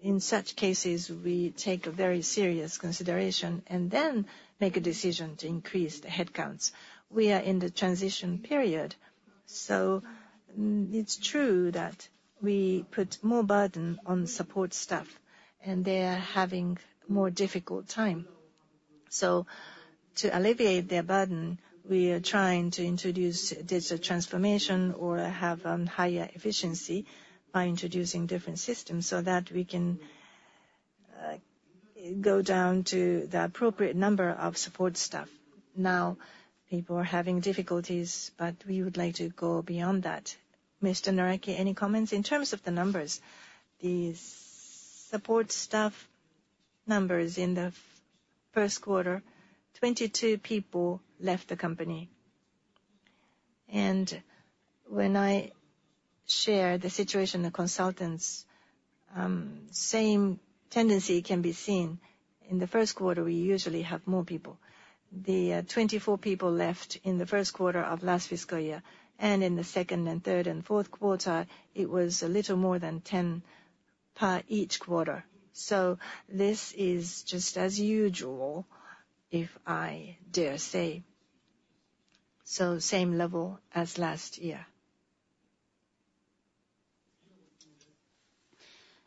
In such cases, we take a very serious consideration, and then make a decision to increase the headcounts. We are in the transition period, so it's true that we put more burden on support staff, and they are having more difficult time. So to alleviate their burden, we are trying to introduce digital transformation or have higher efficiency by introducing different systems, so that we can go down to the appropriate number of support staff. Now, people are having difficulties, but we would like to go beyond that. Mr. Naruki, any comments? In terms of the numbers, the support staff numbers in the Q1, 22 people left the company. And when I share the situation of consultants, same tendency can be seen. In the Q1, we usually have more people. Twenty-four people left in the Q1 of last fiscal year, and in the second and third and Q4, it was a little more than 10 per each quarter. So this is just as usual, if I dare say, so same level as last year.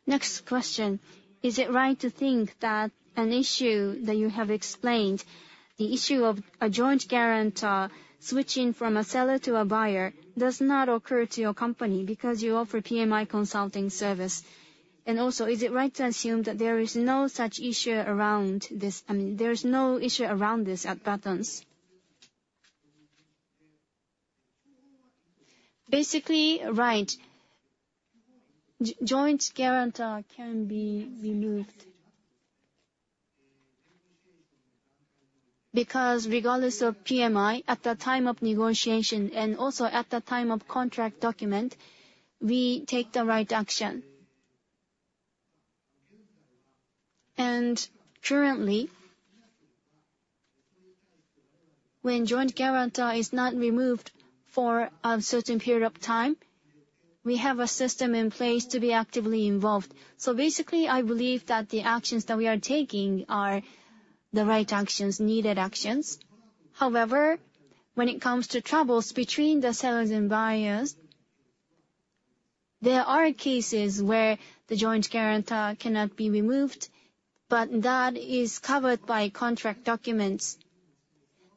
Next question: Is it right to think that an issue that you have explained, the issue of a joint guarantor switching from a seller to a buyer, does not occur to your company because you offer PMI consulting service? And also, is it right to assume that there is no such issue around this—I mean, there is no issue around this at Batonz? Basically, right. Joint guarantor can be removed. Because regardless of PMI, at the time of negotiation, and also at the time of contract document, we take the right action. And currently, when joint guarantor is not removed for a certain period of time, we have a system in place to be actively involved. So basically, I believe that the actions that we are taking are the right actions, needed actions. However, when it comes to troubles between the sellers and buyers, there are cases where the joint guarantor cannot be removed, but that is covered by contract documents,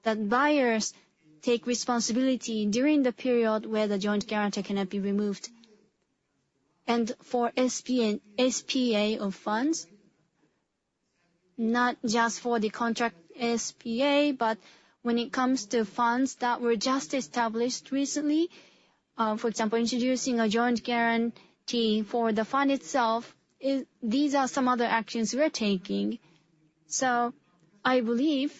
that buyers take responsibility during the period where the joint guarantor cannot be removed. And for SP, SPA of funds, not just for the contract SPA, but when it comes to funds that were just established recently, for example, introducing a joint guarantee for the fund itself, is -- these are some other actions we're taking. So I believe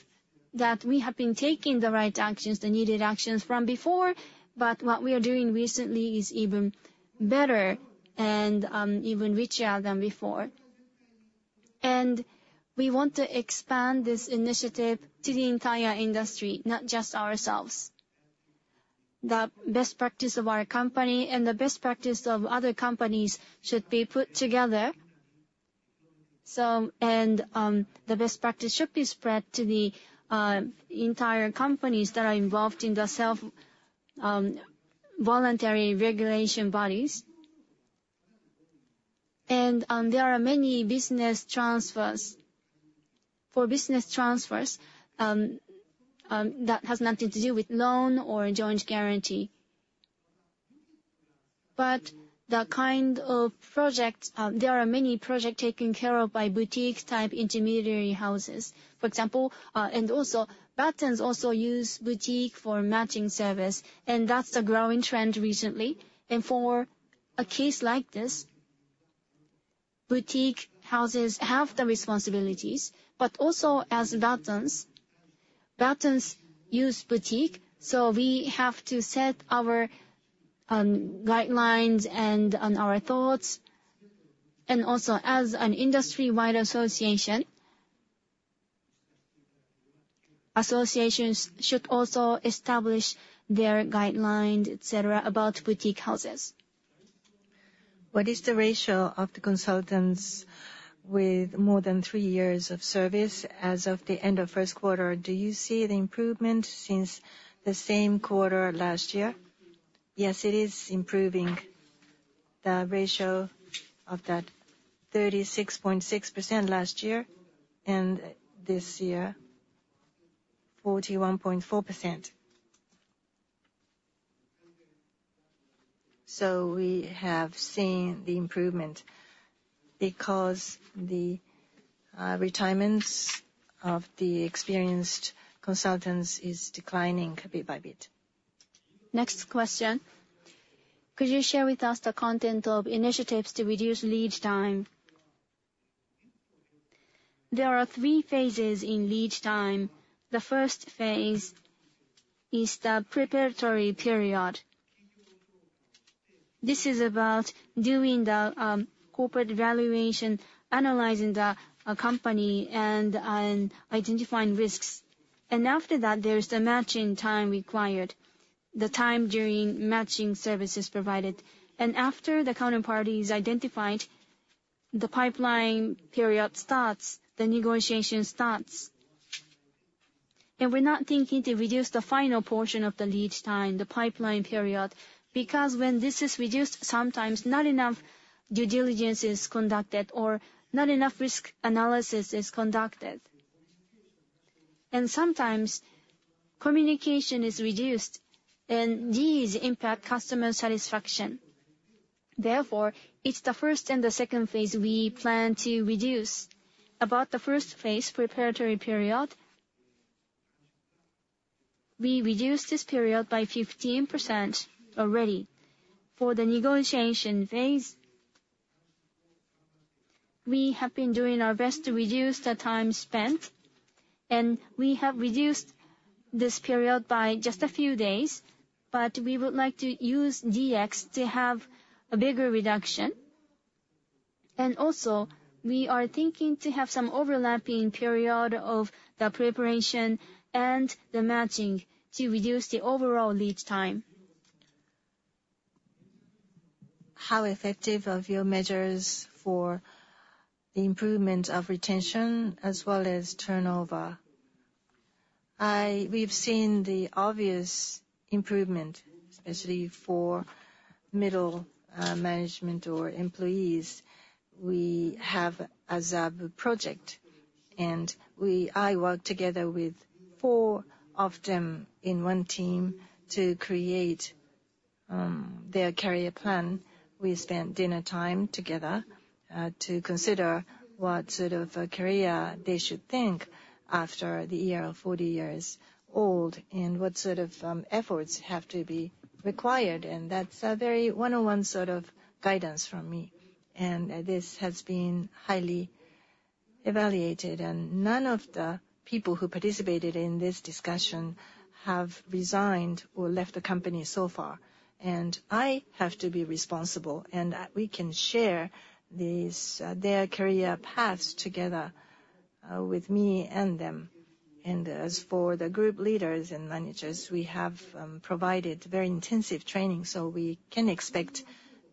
that we have been taking the right actions, the needed actions from before, but what we are doing recently is even better and, even richer than before. And we want to expand this initiative to the entire industry, not just ourselves. The best practice of our company and the best practice of other companies should be put together. So, and, the best practice should be spread to the, entire companies that are involved in the self, voluntary regulation bodies. And, there are many business transfers. For business transfers, that has nothing to do with loan or a joint guarantee. But the kind of projects, there are many projects taken care of by boutique-type intermediary houses. For example, and also, Batonz also use boutique for matching service, and that's the growing trend recently. And for a case like this, boutique houses have the responsibilities, but also as Batonz, Batonz use boutique, so we have to set our, guidelines and, our thoughts. And also, as an industry-wide association, associations should also establish their guidelines, et cetera, about boutique houses. What is the ratio of the consultants with more than three years of service as of the end of Q1? Do you see the improvement since the same quarter last year? Yes, it is improving. The ratio of that 36.6% last year, and this year, 41.4%. We have seen the improvement because the retirements of the experienced consultants is declining bit by bit. Next question. Could you share with us the content of initiatives to reduce lead time? There are three phases in lead time. The first phase is the preparatory period. This is about doing the corporate valuation, analyzing the company, and identifying risks. After that, there's the matching time required, the time during matching services provided. After the counterparty is identified, the pipeline period starts, the negotiation starts. We're not thinking to reduce the final portion of the lead time, the pipeline period, because when this is reduced, sometimes not enough due diligence is conducted or not enough risk analysis is conducted. Sometimes communication is reduced, and these impact customer satisfaction. Therefore, it's the first and the second phase we plan to reduce. About the first phase, preparatory period, we reduced this period by 15% already. For the negotiation phase, we have been doing our best to reduce the time spent, and we have reduced this period by just a few days, but we would like to use DX to have a bigger reduction. And also, we are thinking to have some overlapping period of the preparation and the matching to reduce the overall lead time. How effective are your measures for the improvement of retention as well as turnover? I we've seen the obvious improvement, especially for middle management or employees. We have a ZaBu project, and we, I work together with four of them in one team to create their career plan. We spend dinner time together to consider what sort of a career they should think after the year of 40 years old, and what sort of efforts have to be required. That's a very one-on-one sort of guidance from me, and this has been highly evaluated. None of the people who participated in this discussion have resigned or left the company so far. I have to be responsible, and we can share these their career paths together with me and them. As for the group leaders and managers, we have provided very intensive training, so we can expect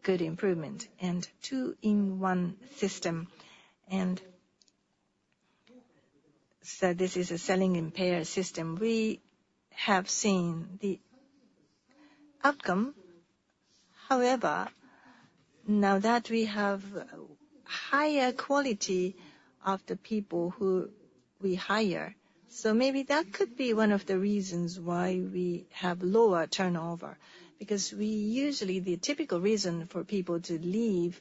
good improvement. Two-in-one system, and so this is a selling in pair system. We have seen the outcome. However, now that we have higher quality of the people who we hire, so maybe that could be one of the reasons why we have lower turnover. Because we usually, the typical reason for people to leave,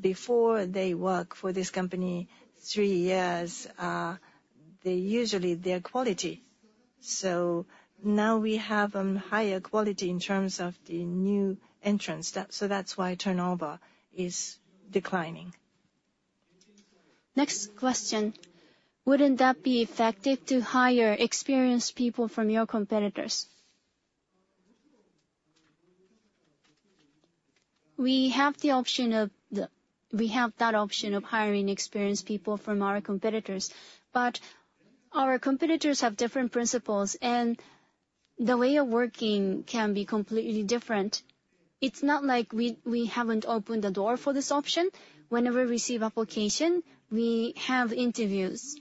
before they work for this company three years, they usually, their quality. So now we have higher quality in terms of the new entrants. That, so that's why turnover is declining. Next question: Wouldn't that be effective to hire experienced people from your competitors? We have that option of hiring experienced people from our competitors, but our competitors have different principles, and the way of working can be completely different. It's not like we haven't opened the door for this option. Whenever we receive application, we have interviews.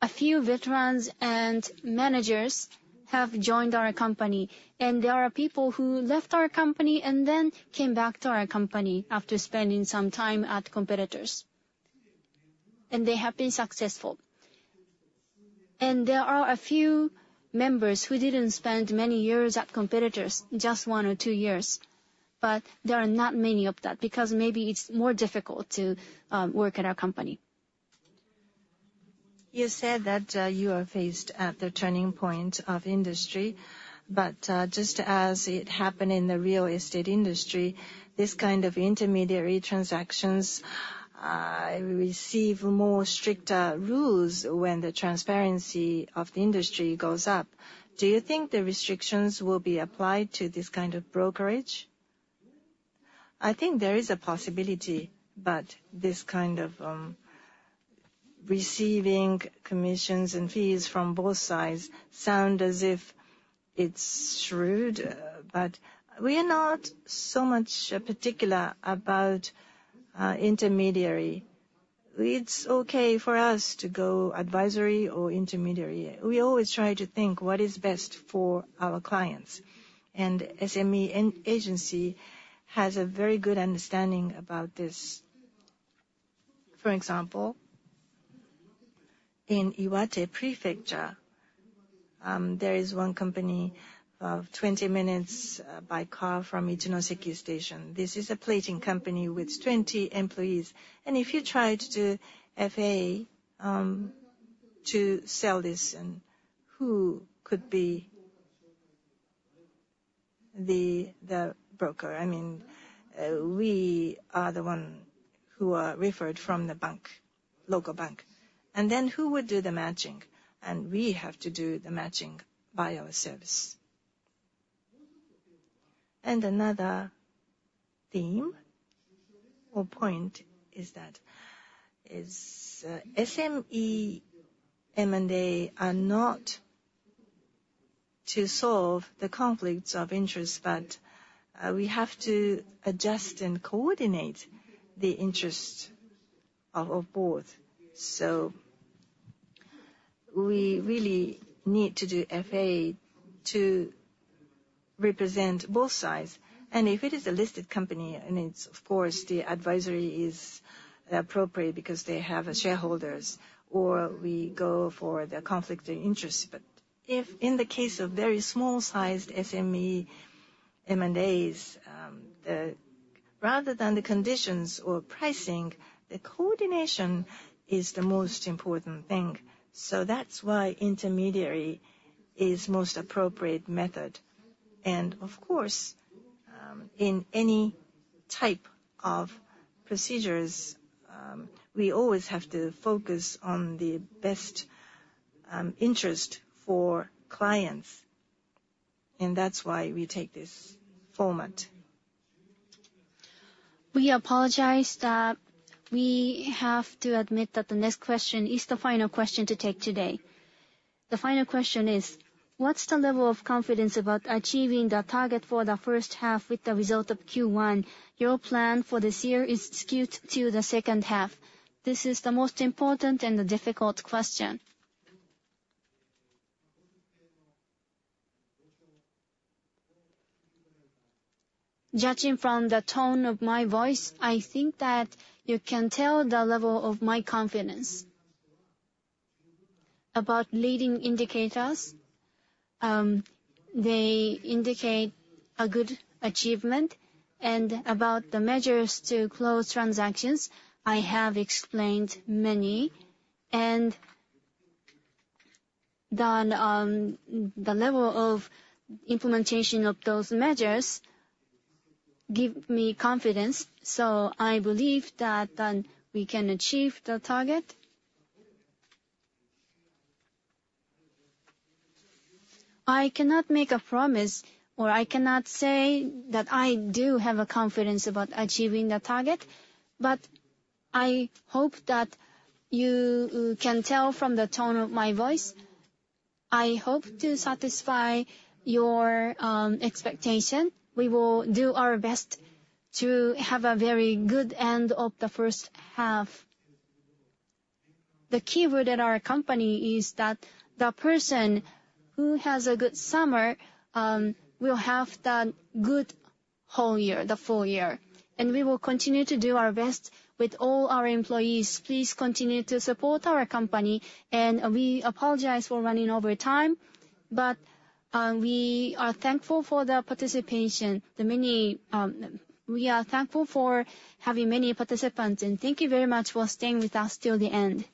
A few veterans and managers have joined our company, and there are people who left our company and then came back to our company after spending some time at competitors, and they have been successful. There are a few members who didn't spend many years at competitors, just one or two years, but there are not many of that, because maybe it's more difficult to work at our company. You said that you are faced at the turning point of industry, but just as it happened in the real estate industry, this kind of intermediary transactions receive more stricter rules when the transparency of the industry goes up. Do you think the restrictions will be applied to this kind of brokerage? I think there is a possibility, but this kind of receiving commissions and fees from both sides sound as if it's shrewd. But we are not so much particular about intermediary. It's okay for us to go advisory or intermediary. We always try to think what is best for our clients, and SME agency has a very good understanding about this. For example, in Iwate Prefecture, there is one company of 20 minutes by car from Ichinoseki Station. This is a plating company with 20 employees. If you try to do FA to sell this, then who could be the broker. I mean, we are the one who are referred from the bank, local bank, and then who would do the matching? And we have to do the matching by our service. And another theme or point is that SME M&A are not to solve the conflicts of interest, but we have to adjust and coordinate the interest of both. So we really need to do FA to represent both sides. And if it is a listed company, then it's of course the advisory is appropriate because they have shareholders or we go for the conflicting interest. But if in the case of very small-sized SME M&As, rather than the conditions or pricing, the coordination is the most important thing. So that's why intermediary is most appropriate method. Of course, in any type of procedures, we always have to focus on the best interest for clients, and that's why we take this format. We apologize that we have to admit that the next question is the final question to take today. The final question is: what's the level of confidence about achieving the target for the H1 with the result of Q1? Your plan for this year is skewed to the H2. This is the most important and the difficult question. Judging from the tone of my voice, I think that you can tell the level of my confidence. About leading indicators, they indicate a good achievement, and about the measures to close transactions, I have explained many. And then, the level of implementation of those measures give me confidence, so I believe that, we can achieve the target. I cannot make a promise, or I cannot say that I do have a confidence about achieving the target, but I hope that you can tell from the tone of my voice. I hope to satisfy your expectation. We will do our best to have a very good end of the H1. The keyword at our company is that the person who has a good summer will have the good whole year, the full year, and we will continue to do our best with all our employees. Please continue to support our company, and we apologize for running over time, but we are thankful for the participation. We are thankful for having many participants, and thank you very much for staying with us till the end.